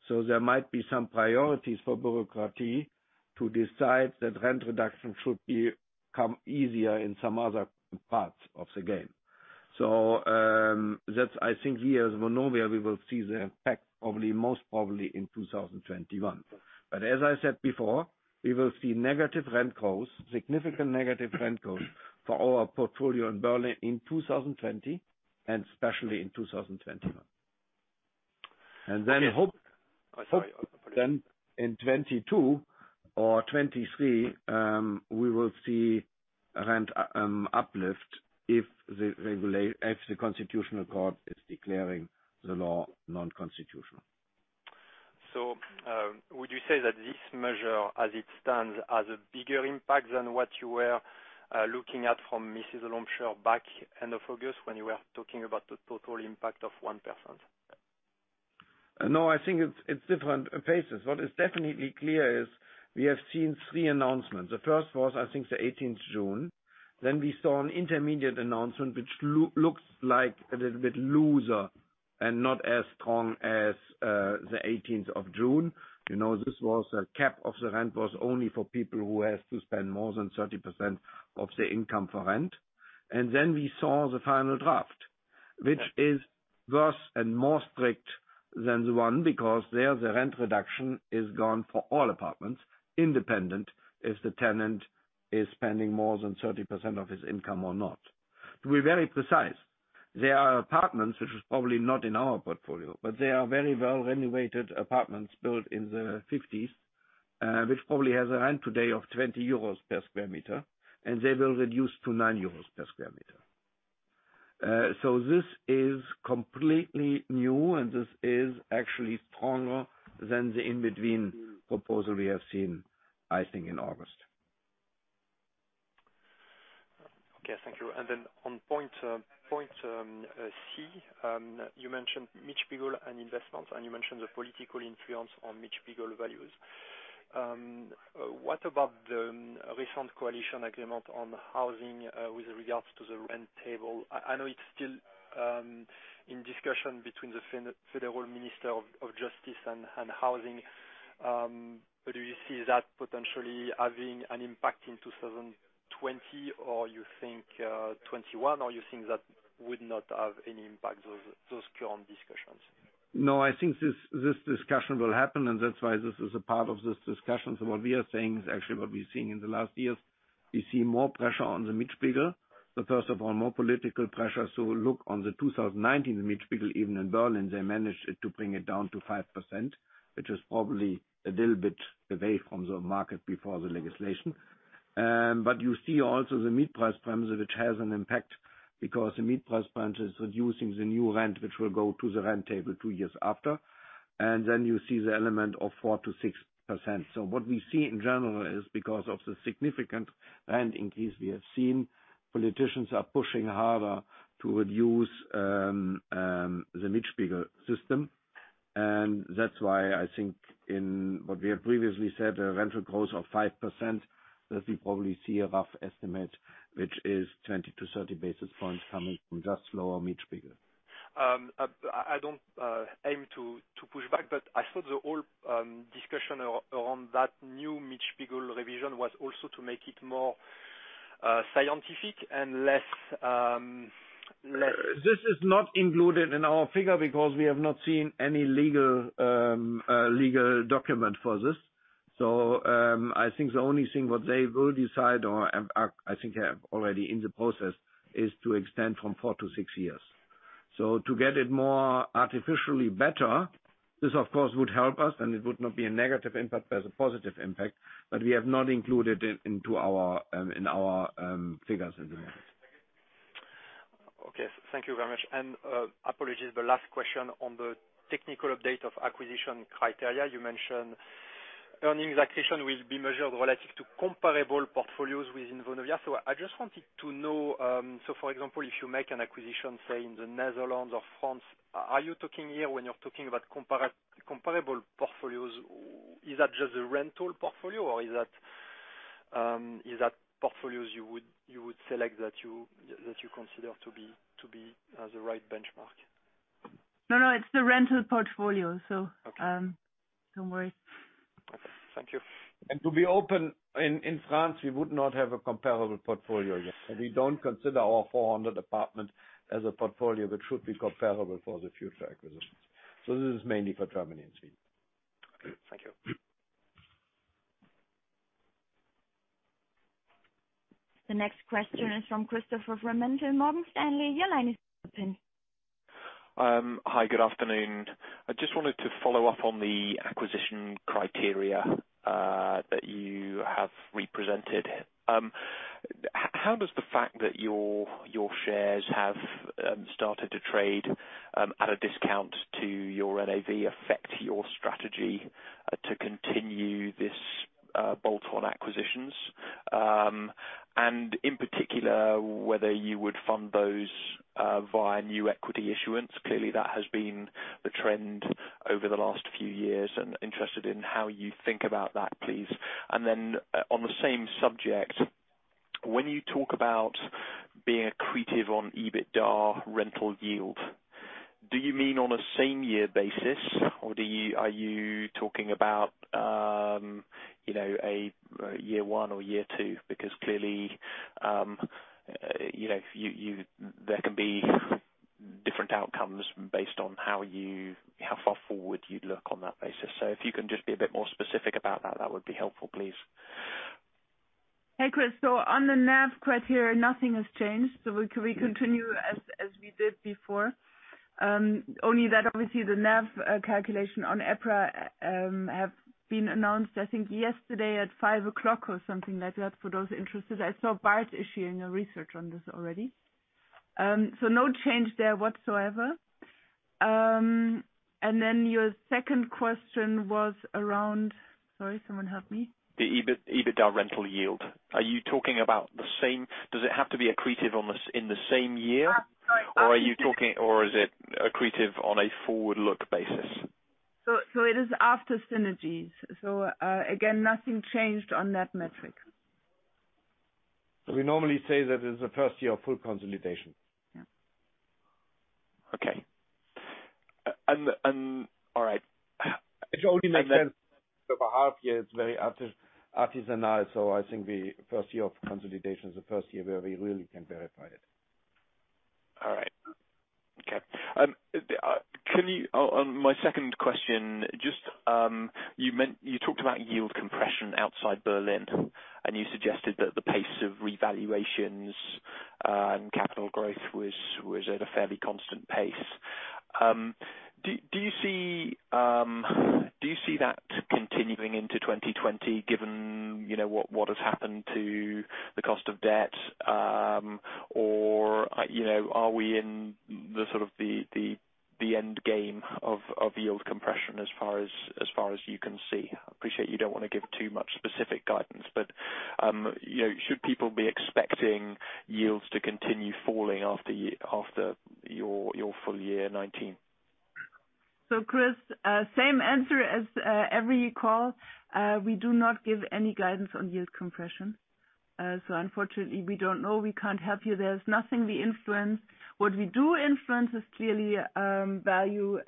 There might be some priorities for bureaucracy to decide that rent reduction should become easier in some other parts of the game. I think here as Vonovia, we will see the impact most probably in 2021. As I said before, we will see negative rent growth, significant negative rent growth for our portfolio in Berlin in 2020, and especially in 2021. Okay. Sorry. In 2022 or 2023, we will see rent uplift if the Constitutional Court is declaring the law non-constitutional. Would you say that this measure, as it stands, has a bigger impact than what you were looking at from Mrs. Lompscher back end of August when you were talking about the total impact of 1%? No, I think it's different paces. What is definitely clear is we have seen three announcements. The first was, I think, the 18th June. We saw an intermediate announcement, which looks like a little bit looser and not as strong as the 18th of June. This was a cap of the rent was only for people who has to spend more than 30% of the income for rent. We saw the final draft, which is worse and more strict than the one because there the rent reduction is gone for all apartments, independent if the tenant is spending more than 30% of his income or not. To be very precise, there are apartments, which is probably not in our portfolio, but they are very well renovated apartments built in the '50s, which probably has a rent today of 20 euros per square meter, and they will reduce to 9 euros per square meter. This is completely new, and this is actually stronger than the in-between proposal we have seen, I think in August. Okay. Thank you. On point C, you mentioned Mietspiegel and investments, and you mentioned the political influence on Mietspiegel values. What about the recent coalition agreement on housing with regards to the rent table? I know it's still in discussion between the Federal Minister of Justice and Housing. Do you see that potentially having an impact in 2020, or you think 2021, or you think that would not have any impact, those current discussions? No, I think this discussion will happen, and that's why this is a part of this discussion. What we are saying is actually what we've seen in the last years. We see more pressure on the Mietspiegel, but first of all, more political pressure. Look on the 2019 Mietspiegel, even in Berlin, they managed to bring it down to 5%, which is probably a little bit away from the market before the legislation. You see also the mid-price parameter, which has an impact because the mid-price parameter is reducing the new rent, which will go to the rent table two years after. Then you see the element of 4%-6%. What we see in general is because of the significant rent increase we have seen, politicians are pushing harder to reduce the Mietspiegel system. That's why I think in what we have previously said, a rental growth of 5%, that we probably see a rough estimate, which is 20-30 basis points coming from just lower Mietspiegel. I don't aim to push back, but I thought the whole discussion around that new Mietspiegel revision was also to make it more scientific and less- This is not included in our figure because we have not seen any legal document for this. I think the only thing what they will decide, or I think they have already in the process, is to extend from four to six years. To get it more artificially better, this of course would help us, and it would not be a negative impact as a positive impact, but we have not included it in our figures at the moment. Okay. Thank you very much. Apologies, the last question on the technical update of acquisition criteria. You mentioned earnings acquisition will be measured relative to comparable portfolios within Vonovia. I just wanted to know, for example, if you make an acquisition, say, in the Netherlands or France, are you talking here when you're talking about comparable portfolios, is that just the rental portfolio, or is that portfolios you would select that you consider to be the right benchmark? No, no, it's the rental portfolio. Okay. Don't worry. Okay. Thank you. To be open, in France, we would not have a comparable portfolio yet. We don't consider our 400 apartments as a portfolio that should be comparable for the future acquisitions. This is mainly for Germany and Sweden. Okay. Thank you. The next question is from Christopher Greulich, Morgan Stanley. Your line is open. Hi. Good afternoon. I just wanted to follow up on the acquisition criteria that you have represented. How does the fact that your shares have started to trade at a discount to your NAV affect your strategy to continue this bolt-on acquisitions? In particular, whether you would fund those via new equity issuance. Clearly, that has been the trend over the last few years, and interested in how you think about that, please. On the same subject, when you talk about being accretive on EBITDA rental yield, do you mean on a same year basis, or are you talking about a year one or year two? Clearly, there can be different outcomes based on how far forward you'd look on that basis. If you can just be a bit more specific about that would be helpful, please. Hey, Chris. On the NAV criteria, nothing has changed. We continue as we did before. Only that obviously the NAV calculation on EPRA have been announced, I think, yesterday at 5:00 or something like that, for those interested. I saw Bart issuing a research on this already. No change there whatsoever. Your second question was around Sorry, someone help me. The EBITDA rental yield. Does it have to be accretive in the same year? I'm sorry, Bart. is it accretive on a forward-look basis? It is after synergies. Again, nothing changed on that metric. We normally say that it is the first year of full consolidation. Yeah. Okay. All right. It only makes sense for half a year, it's very artisanal. I think the first year of consolidation is the first year where we really can verify it. All right. Okay. My second question, you talked about yield compression outside Berlin, you suggested that the pace of revaluations and capital growth was at a fairly constant pace. Do you see that continuing into 2020, given what has happened to the cost of debt? Or are we in the end game of yield compression as far as you can see? I appreciate you don't want to give too much specific guidance, but should people be expecting yields to continue falling after your full year 2019? Chris, same answer as every call. We do not give any guidance on Yield compression. Unfortunately, we don't know. We can't help you. There's nothing we influence. What we do influence is clearly value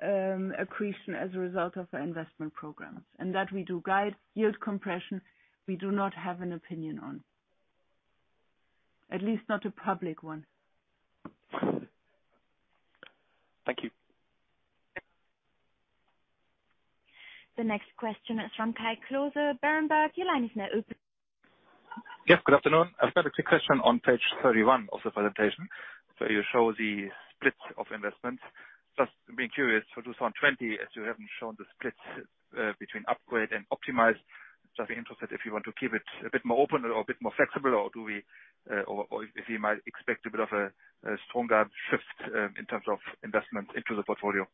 accretion as a result of our investment programs. That we do guide Yield compression, we do not have an opinion on. At least not a public one. Thank you. The next question is from Kai Klose, Berenberg. Your line is now open. Yep. Good afternoon. I've got a quick question on page 31 of the presentation. You show the splits of investments. Just being curious, for 2020, as you haven't shown the splits between upgrade and optimize, just be interested if you want to keep it a bit more open or a bit more flexible, or if we might expect a bit of a stronger shift in terms of investment into the portfolio.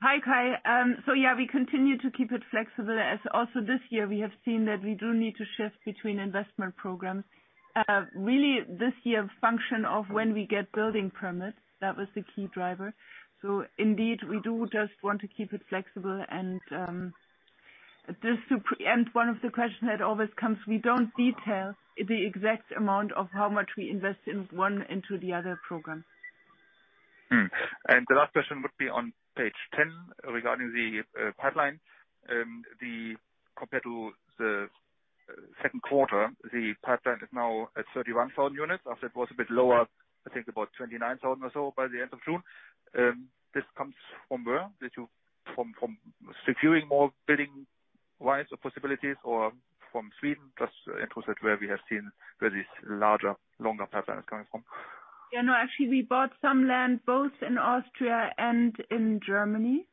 Hi, Kai. Yeah, we continue to keep it flexible as also this year we have seen that we do need to shift between investment programs. Really this year, function of when we get building permits, that was the key driver. Indeed, we do just want to keep it flexible and one of the question that always comes, we don't detail the exact amount of how much we invest in one into the other program. The last question would be on page 10 regarding the pipeline. Compared to the second quarter, the pipeline is now at 31,000 units after it was a bit lower, I think about 29,000 or so by the end of June. This comes from where? From securing more building-wise or possibilities or from Sweden? Just interested where we have seen where this larger, longer pipeline is coming from. Yeah, no, actually, we bought some land both in Austria and in Germany.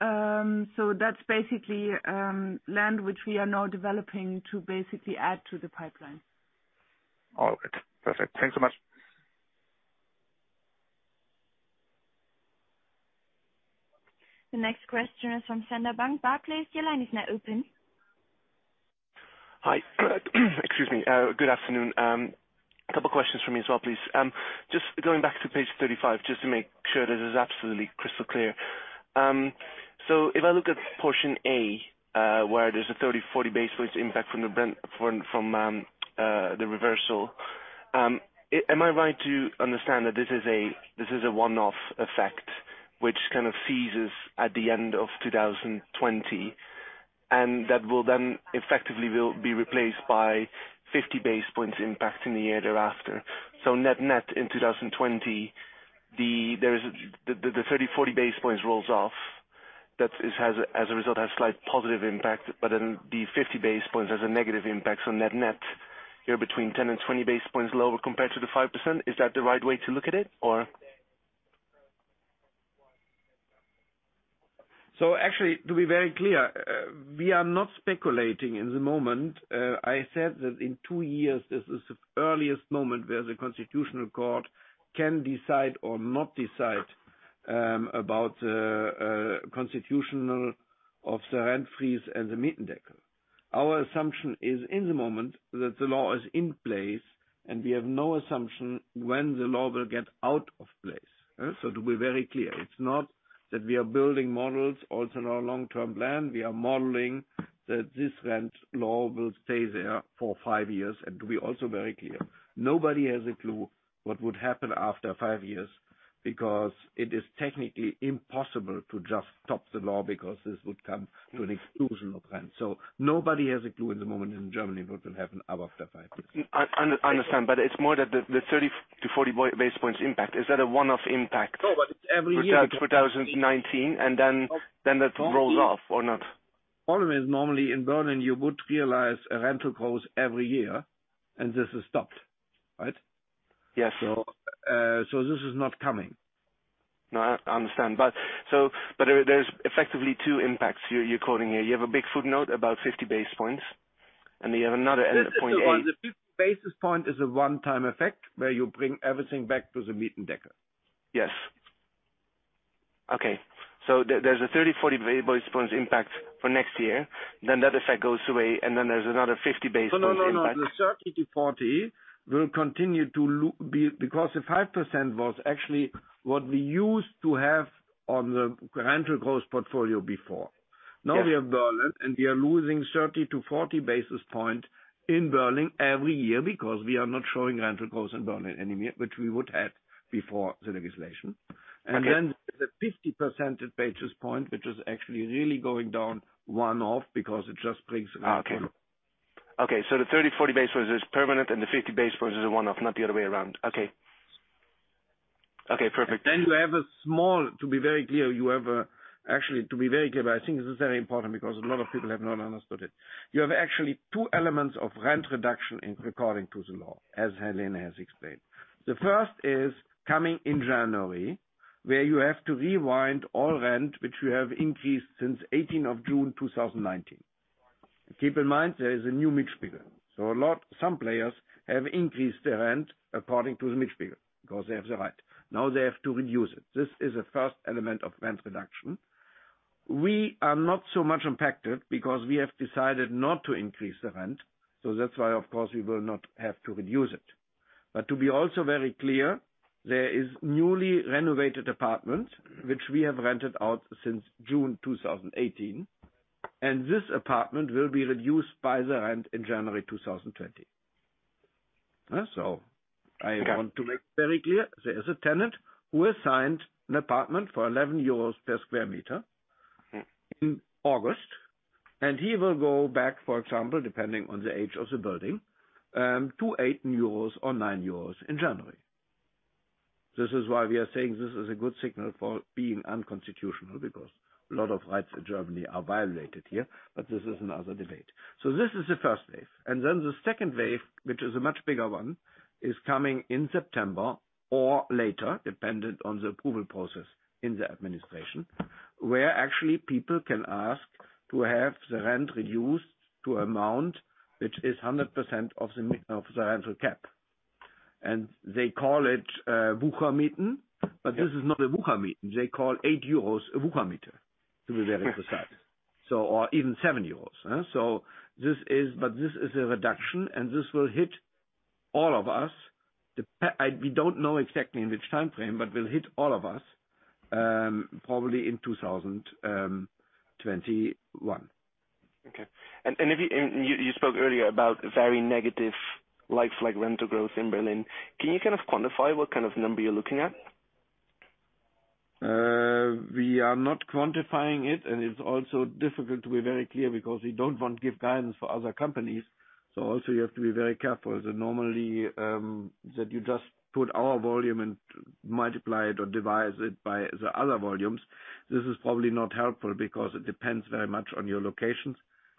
That's basically land which we are now developing to basically add to the pipeline. All good. Perfect. Thanks so much. The next question is from Sander Bunck, Barclays. Your line is now open. Hi. Excuse me. Good afternoon. Couple questions from me as well, please. Going back to page 35, just to make sure that it is absolutely crystal clear. If I look at portion A, where there's a 30, 40 basis points which impact from the reversal. Am I right to understand that this is a one-off effect, which kind of seizes at the end of 2020, and that will effectively be replaced by 50 basis points impact in the year thereafter. Net net in 2020, the 30, 40 basis points rolls off. That as a result, has slight positive impact, the 50 basis points has a negative impact. Net net, you're between 10 and 20 basis points lower compared to the 5%. Is that the right way to look at it or? Actually, to be very clear, we are not speculating in the moment. I said that in two years, this is the earliest moment where the Constitutional Court can decide or not decide about constitutional of the Rent freeze and the Mietendeckel. Our assumption is in the moment that the law is in place, and we have no assumption when the law will get out of place. To be very clear, it's not that we are building models also in our long-term plan. We are modeling that this rent law will stay there for five years. To be also very clear, nobody has a clue what would happen after five years because it is technically impossible to just stop the law because this would come to an explosion of rent. Nobody has a clue at the moment in Germany what will happen after five years. I understand, it's more that the 30 to 40 basis points impact. Is that a one-off impact? No, but it's every year. for 2019, then that rolls off or not? Problem is, normally in Berlin, you would realize a rental growth every year, and this is stopped, right? Yes. This is not coming. No, I understand. There's effectively two impacts you're quoting here. You have a big footnote about 50 basis points, and you have another end at 0.1. The 50 basis point is a one-time effect where you bring everything back to the Mietendeckel. Yes. Okay. There's a 30, 40 basis points impact for next year, then that effect goes away, and then there's another 50 basis points impact. No, the 30 to 40 will continue to be because the 5% was actually what we used to have on the rental growth portfolio before. Now we have Berlin and we are losing 30 to 40 basis point in Berlin every year because we are not showing rental growth in Berlin anymore, which we would have before the legislation. Okay. The 50% basis point, which is actually really going down one-off. Okay. The 30, 40 basis is permanent and the 50 basis is a one-off, not the other way around. Okay. Perfect. To be very clear, I think this is very important because a lot of people have not understood it. You have actually two elements of rent reduction according to the law, as Helene has explained. The first is coming in January, where you have to rewind all rent, which you have increased since 18th of June 2019. Keep in mind, there is a new Mietspiegel. Some players have increased their rent according to the Mietspiegel, because they have the right. Now they have to reduce it. This is the first element of rent reduction. We are not so much impacted because we have decided not to increase the rent. That's why, of course, we will not have to reduce it. To be also very clear, there is newly renovated apartment, which we have rented out since June 2018, and this apartment will be reduced by the rent in January 2020. I want to make very clear, there is a tenant who assigned an apartment for 11 euros per square meter in August, and he will go back, for example, depending on the age of the building, to 8 euros or 9 euros in January. This is why we are saying this is a good signal for being unconstitutional, because a lot of rights in Germany are violated here, but this is another debate. This is the first wave. The second wave, which is a much bigger one, is coming in September or later, dependent on the approval process in the administration, where actually people can ask to have the rent reduced to amount which is 100% of the rental cap. They call 8 euros to be very precise, or even 7 euros. This is a reduction, and this will hit all of us. We don't know exactly in which time frame, but will hit all of us, probably in 2021. Okay. You spoke earlier about very negative like-for-like rental growth in Berlin. Can you kind of quantify what kind of number you're looking at? We are not quantifying it, and it's also difficult to be very clear because we don't want to give guidance for other companies. Also you have to be very careful that you just put our volume and multiply it or divide it by the other volumes. This is probably not helpful because it depends very much on your locations.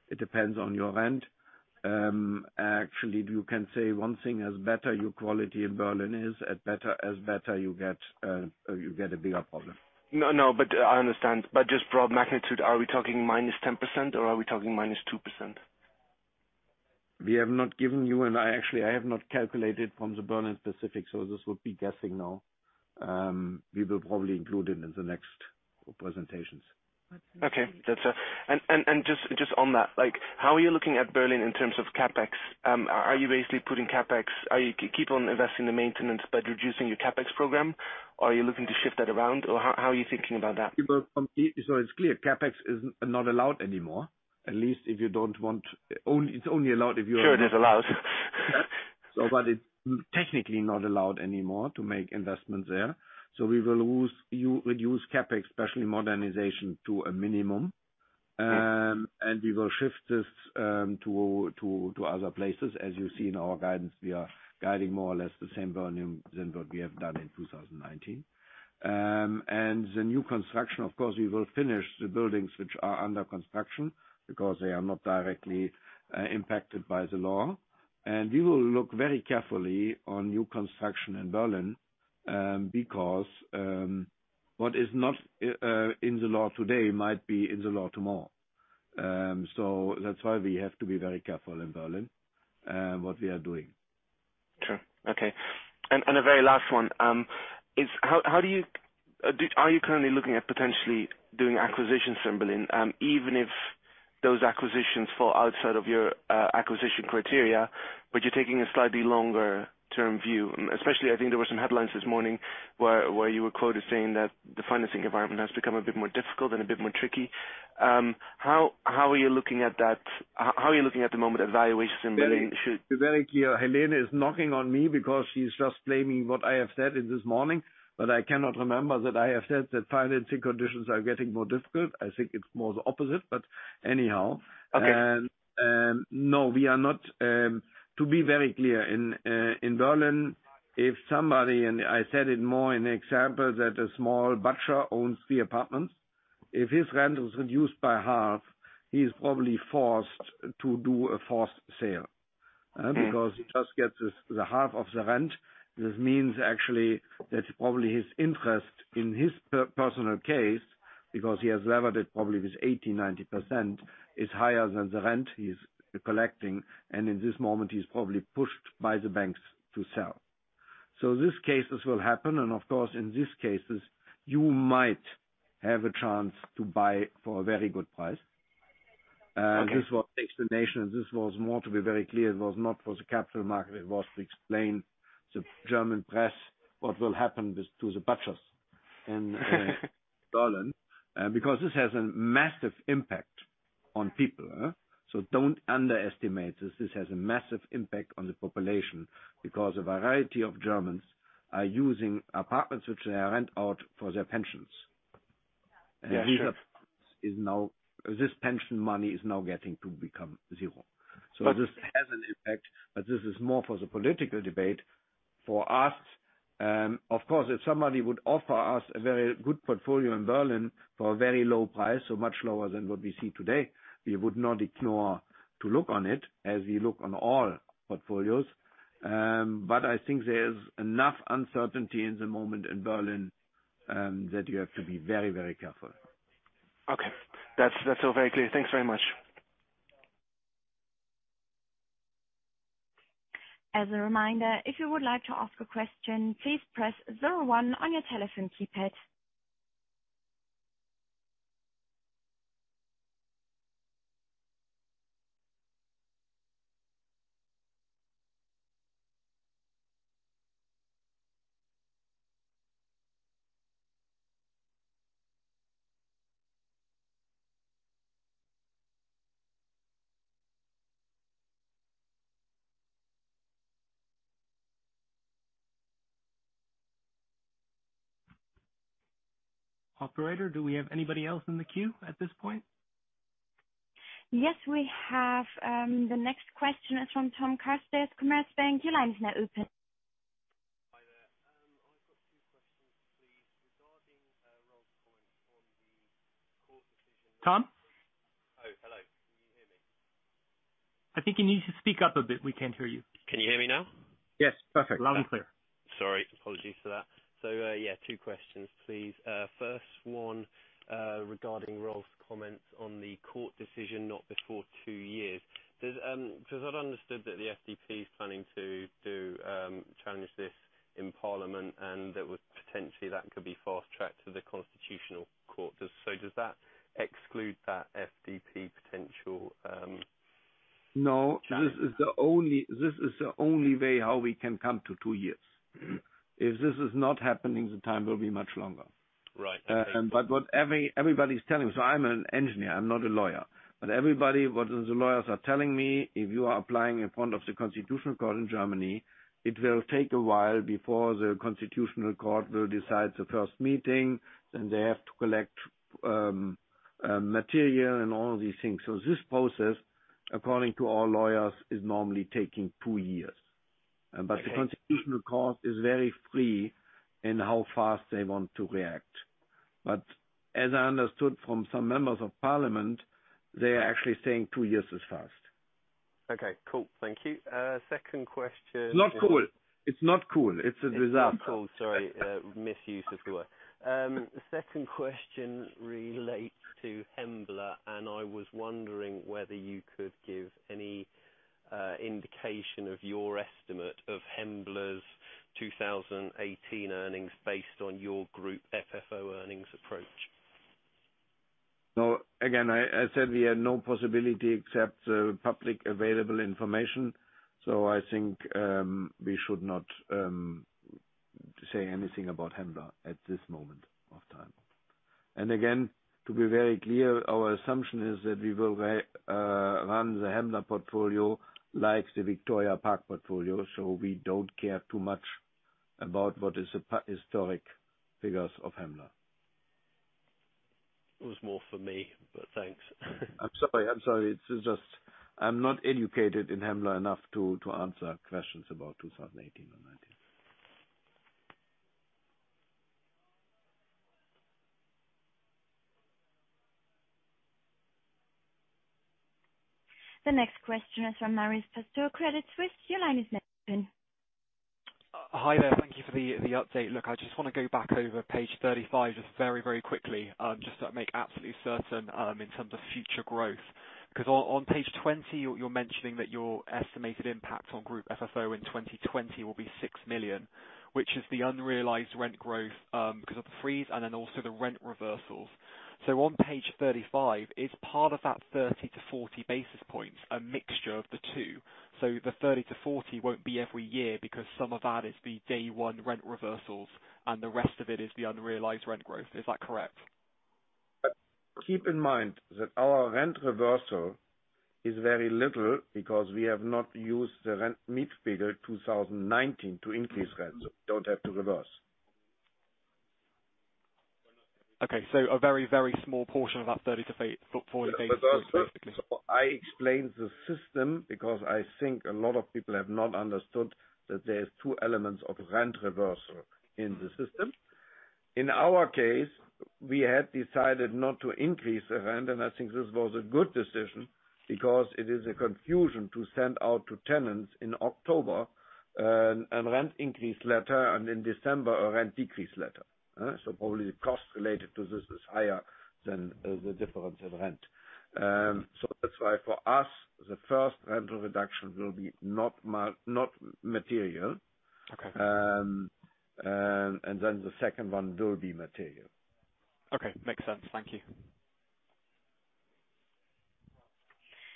It depends on your rent. Actually, you can say one thing as better your quality in Berlin is, as better you get a bigger problem. No, I understand. Just broad magnitude. Are we talking minus 10% or are we talking minus 2%? We have not given you, and actually I have not calculated from the Berlin specific, so this would be guessing now. We will probably include it in the next presentations. Okay. Just on that, how are you looking at Berlin in terms of CapEx? Are you keep on investing the maintenance but reducing your CapEx program? Are you looking to shift that around? How are you thinking about that? It's clear CapEx is not allowed anymore. Sure, it is allowed. It's technically not allowed anymore to make investments there. We will reduce CapEx, especially modernization to a minimum. Okay. We will shift this to other places. As you see in our guidance, we are guiding more or less the same volume than what we have done in 2019. The new construction, of course, we will finish the buildings which are under construction because they are not directly impacted by the law. We will look very carefully on new construction in Berlin, because what is not in the law today might be in the law tomorrow. That's why we have to be very careful in Berlin, what we are doing. Sure. Okay. A very last one. Are you currently looking at potentially doing acquisitions from Berlin, even if those acquisitions fall outside of your acquisition criteria, but you are taking a slightly longer term view? Especially, I think there were some headlines this morning where you were quoted saying that the financing environment has become a bit more difficult and a bit more tricky. How are you looking at the moment valuations in Berlin? To be very clear, Helene is knocking on me because she's just blaming what I have said this morning, I cannot remember that I have said that financing conditions are getting more difficult. I think it's more the opposite. Anyhow. Okay. No, we are not. To be very clear, in Berlin, if somebody, and I said it more in example that a small butcher owns three apartments. If his rent was reduced by half, he's probably forced to do a forced sale. He just gets the half of the rent. This means actually that probably his interest in his personal case, because he has levered it probably with 80%, 90%, is higher than the rent he's collecting, and in this moment, he's probably pushed by the banks to sell. This cases will happen, and of course, in these cases, you might have a chance to buy for a very good price. Okay This was explanation. This was more to be very clear. It was not for the capital market. It was to explain the German press what will happen to the butchers in Berlin, because this has a massive impact on people. Don't underestimate this. This has a massive impact on the population because a variety of Germans are using apartments which they rent out for their pensions. Yeah, sure. This pension money is now getting to become zero. This has an impact, but this is more for the political debate for us. Of course, if somebody would offer us a very good portfolio in Berlin for a very low price, so much lower than what we see today, we would not ignore to look on it as we look on all portfolios. I think there is enough uncertainty in the moment in Berlin that you have to be very careful. Okay. That's all very clear. Thanks very much. As a reminder, if you would like to ask a question, please press zero one on your telephone keypad. Operator, do we have anybody else in the queue at this point? Yes, we have. The next question is from Thomas Carstensen, Commerzbank. Your line is now open. Hi there. I've got two questions, please. Regarding Rolf's comment on the court decision. Tom? Oh, hello. Can you hear me? I think you need to speak up a bit. We can't hear you. Can you hear me now? Yes. Perfect. Loud and clear. Sorry. Apologies for that. Yeah, two questions, please. First one, regarding Rolf's comments on the court decision, not before two years. I'd understood that the FDP is planning to challenge this in Parliament, and that could be fast-tracked to the Constitutional Court. Does that exclude that FDP potential? No challenge? This is the only way how we can come to two years. If this is not happening, the time will be much longer. Right. Okay. I'm an engineer, I'm not a lawyer, but everybody, what the lawyers are telling me, if you are applying in front of the Constitutional Court in Germany, it will take a while before the Constitutional Court will decide the first meeting, then they have to collect material and all of these things. This process, according to our lawyers, is normally taking two years. The Constitutional Court is very free in how fast they want to react. As I understood from some members of Parliament, they are actually saying two years is fast. Okay. Cool. Thank you. Second question. Not cool. It's not cool. It's a disaster. It's not cool. Sorry. Misuse of the word. Second question relates to Hembla, and I was wondering whether you could give any indication of your estimate of Hembla's 2018 earnings based on your Group FFO earnings approach. No. Again, I said we had no possibility except public available information. I think we should not say anything about Hembla at this moment of time. Again, to be very clear, our assumption is that we will run the Hembla portfolio like the Victoria Park portfolio. We don't care too much about what is the historic figures of Hembla. It was more for me, but thanks. I'm sorry. It's just I'm not educated in Hembla enough to answer questions about 2018 or 2019. The next question is from Marius Paun, Credit Suisse. Your line is now open. Hi there. Thank you for the update. Look, I just want to go back over page 35 just very quickly, just to make absolutely certain in terms of future growth. On page 20, you're mentioning that your estimated impact on Group FFO in 2020 will be 6 million, which is the unrealized rent growth because of the freeze and then also the rent reversals. On page 35, is part of that 30-40 basis points a mixture of the two? The 30-40 won't be every year because some of that is the day one rent reversals and the rest of it is the unrealized rent growth. Is that correct? Keep in mind that our rent reversal is very little because we have not used the Mietspiegel 2019 to increase rents, so we don't have to reverse. Okay. A very small portion of that 30-40 basis points, basically. I explained the system because I think a lot of people have not understood that there's two elements of rent reversal in the system. I think this was a good decision because it is a confusion to send out to tenants in October a rent increase letter and in December a rent decrease letter. Probably the cost related to this is higher than the difference of rent. That's why for us, the first rental reduction will be not material. Okay. The second one will be material. Okay. Makes sense. Thank you.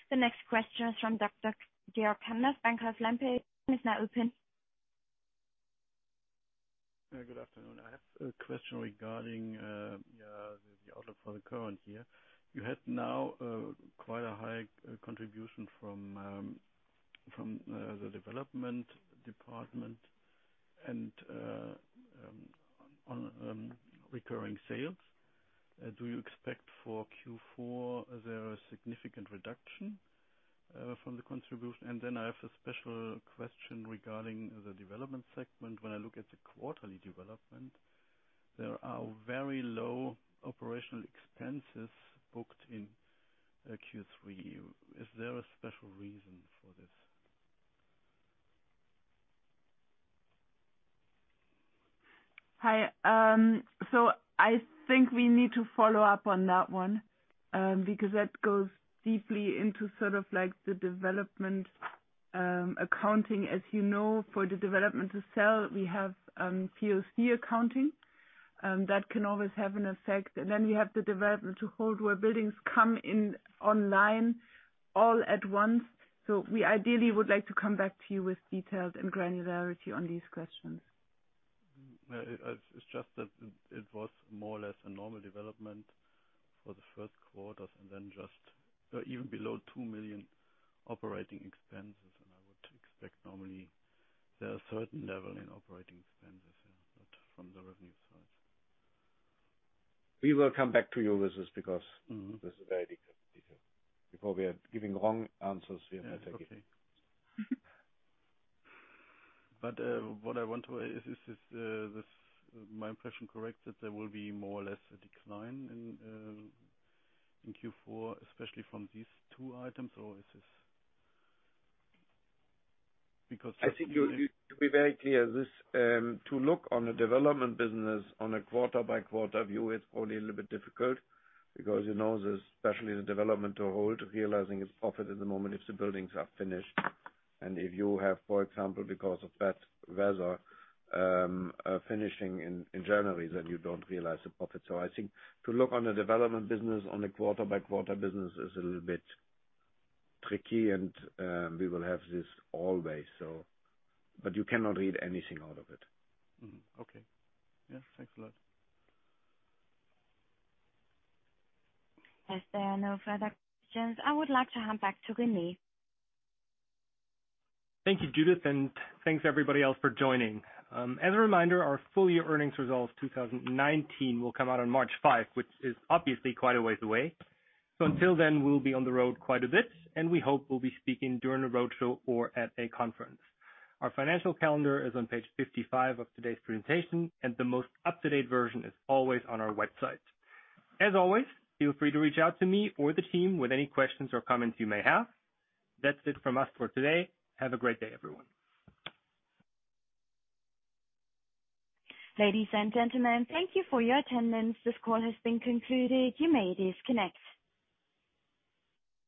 The next question is from Dr. Georg Kemmes, Bankhaus Lampe. Your line is now open. Good afternoon. I have a question regarding the outlook for the current year. You had now quite a high contribution from the development department and on recurring sales. Do you expect for Q4 there a significant reduction from the contribution? I have a special question regarding the development segment. When I look at the quarterly development, there are very low operational expenses booked in Q3. Is there a special reason for this? Hi. I think we need to follow up on that one, because that goes deeply into the development accounting. As you know, for the development to sell, we have POC accounting, that can always have an effect. We have the development to hold where buildings come in online all at once. We ideally would like to come back to you with details and granularity on these questions. It's just that it was more or less a normal development for the first quarters and then just even below 2 million operating expenses. I would expect normally there are certain level in operating expenses, but from the revenue side. We will come back to you with this because this is very detailed. Before we are giving wrong answers, we have better give it. Yeah. Okay. Is my impression correct that there will be more or less a decline in Q4, especially from these two items? I think you have to be very clear. To look on the development business on a quarter by quarter view is only a little bit difficult because especially the development to hold, realizing its profit at the moment if the buildings are finished. If you have, for example, because of bad weather, finishing in January, then you don't realize the profit. I think to look on the development business on a quarter by quarter business is a little bit tricky and, we will have this always, but you cannot read anything out of it. Okay. Yeah, thanks a lot. As there are no further questions, I would like to hand back to Rene. Thank you, Judith, and thanks everybody else for joining. As a reminder, our full year earnings results 2019 will come out on March 5, which is obviously quite a ways away. Until then, we'll be on the road quite a bit, and we hope we'll be speaking during a roadshow or at a conference. Our financial calendar is on page 55 of today's presentation, and the most up-to-date version is always on our website. As always, feel free to reach out to me or the team with any questions or comments you may have. That's it from us for today. Have a great day, everyone. Ladies and gentlemen, thank you for your attendance. This call has been concluded. You may disconnect.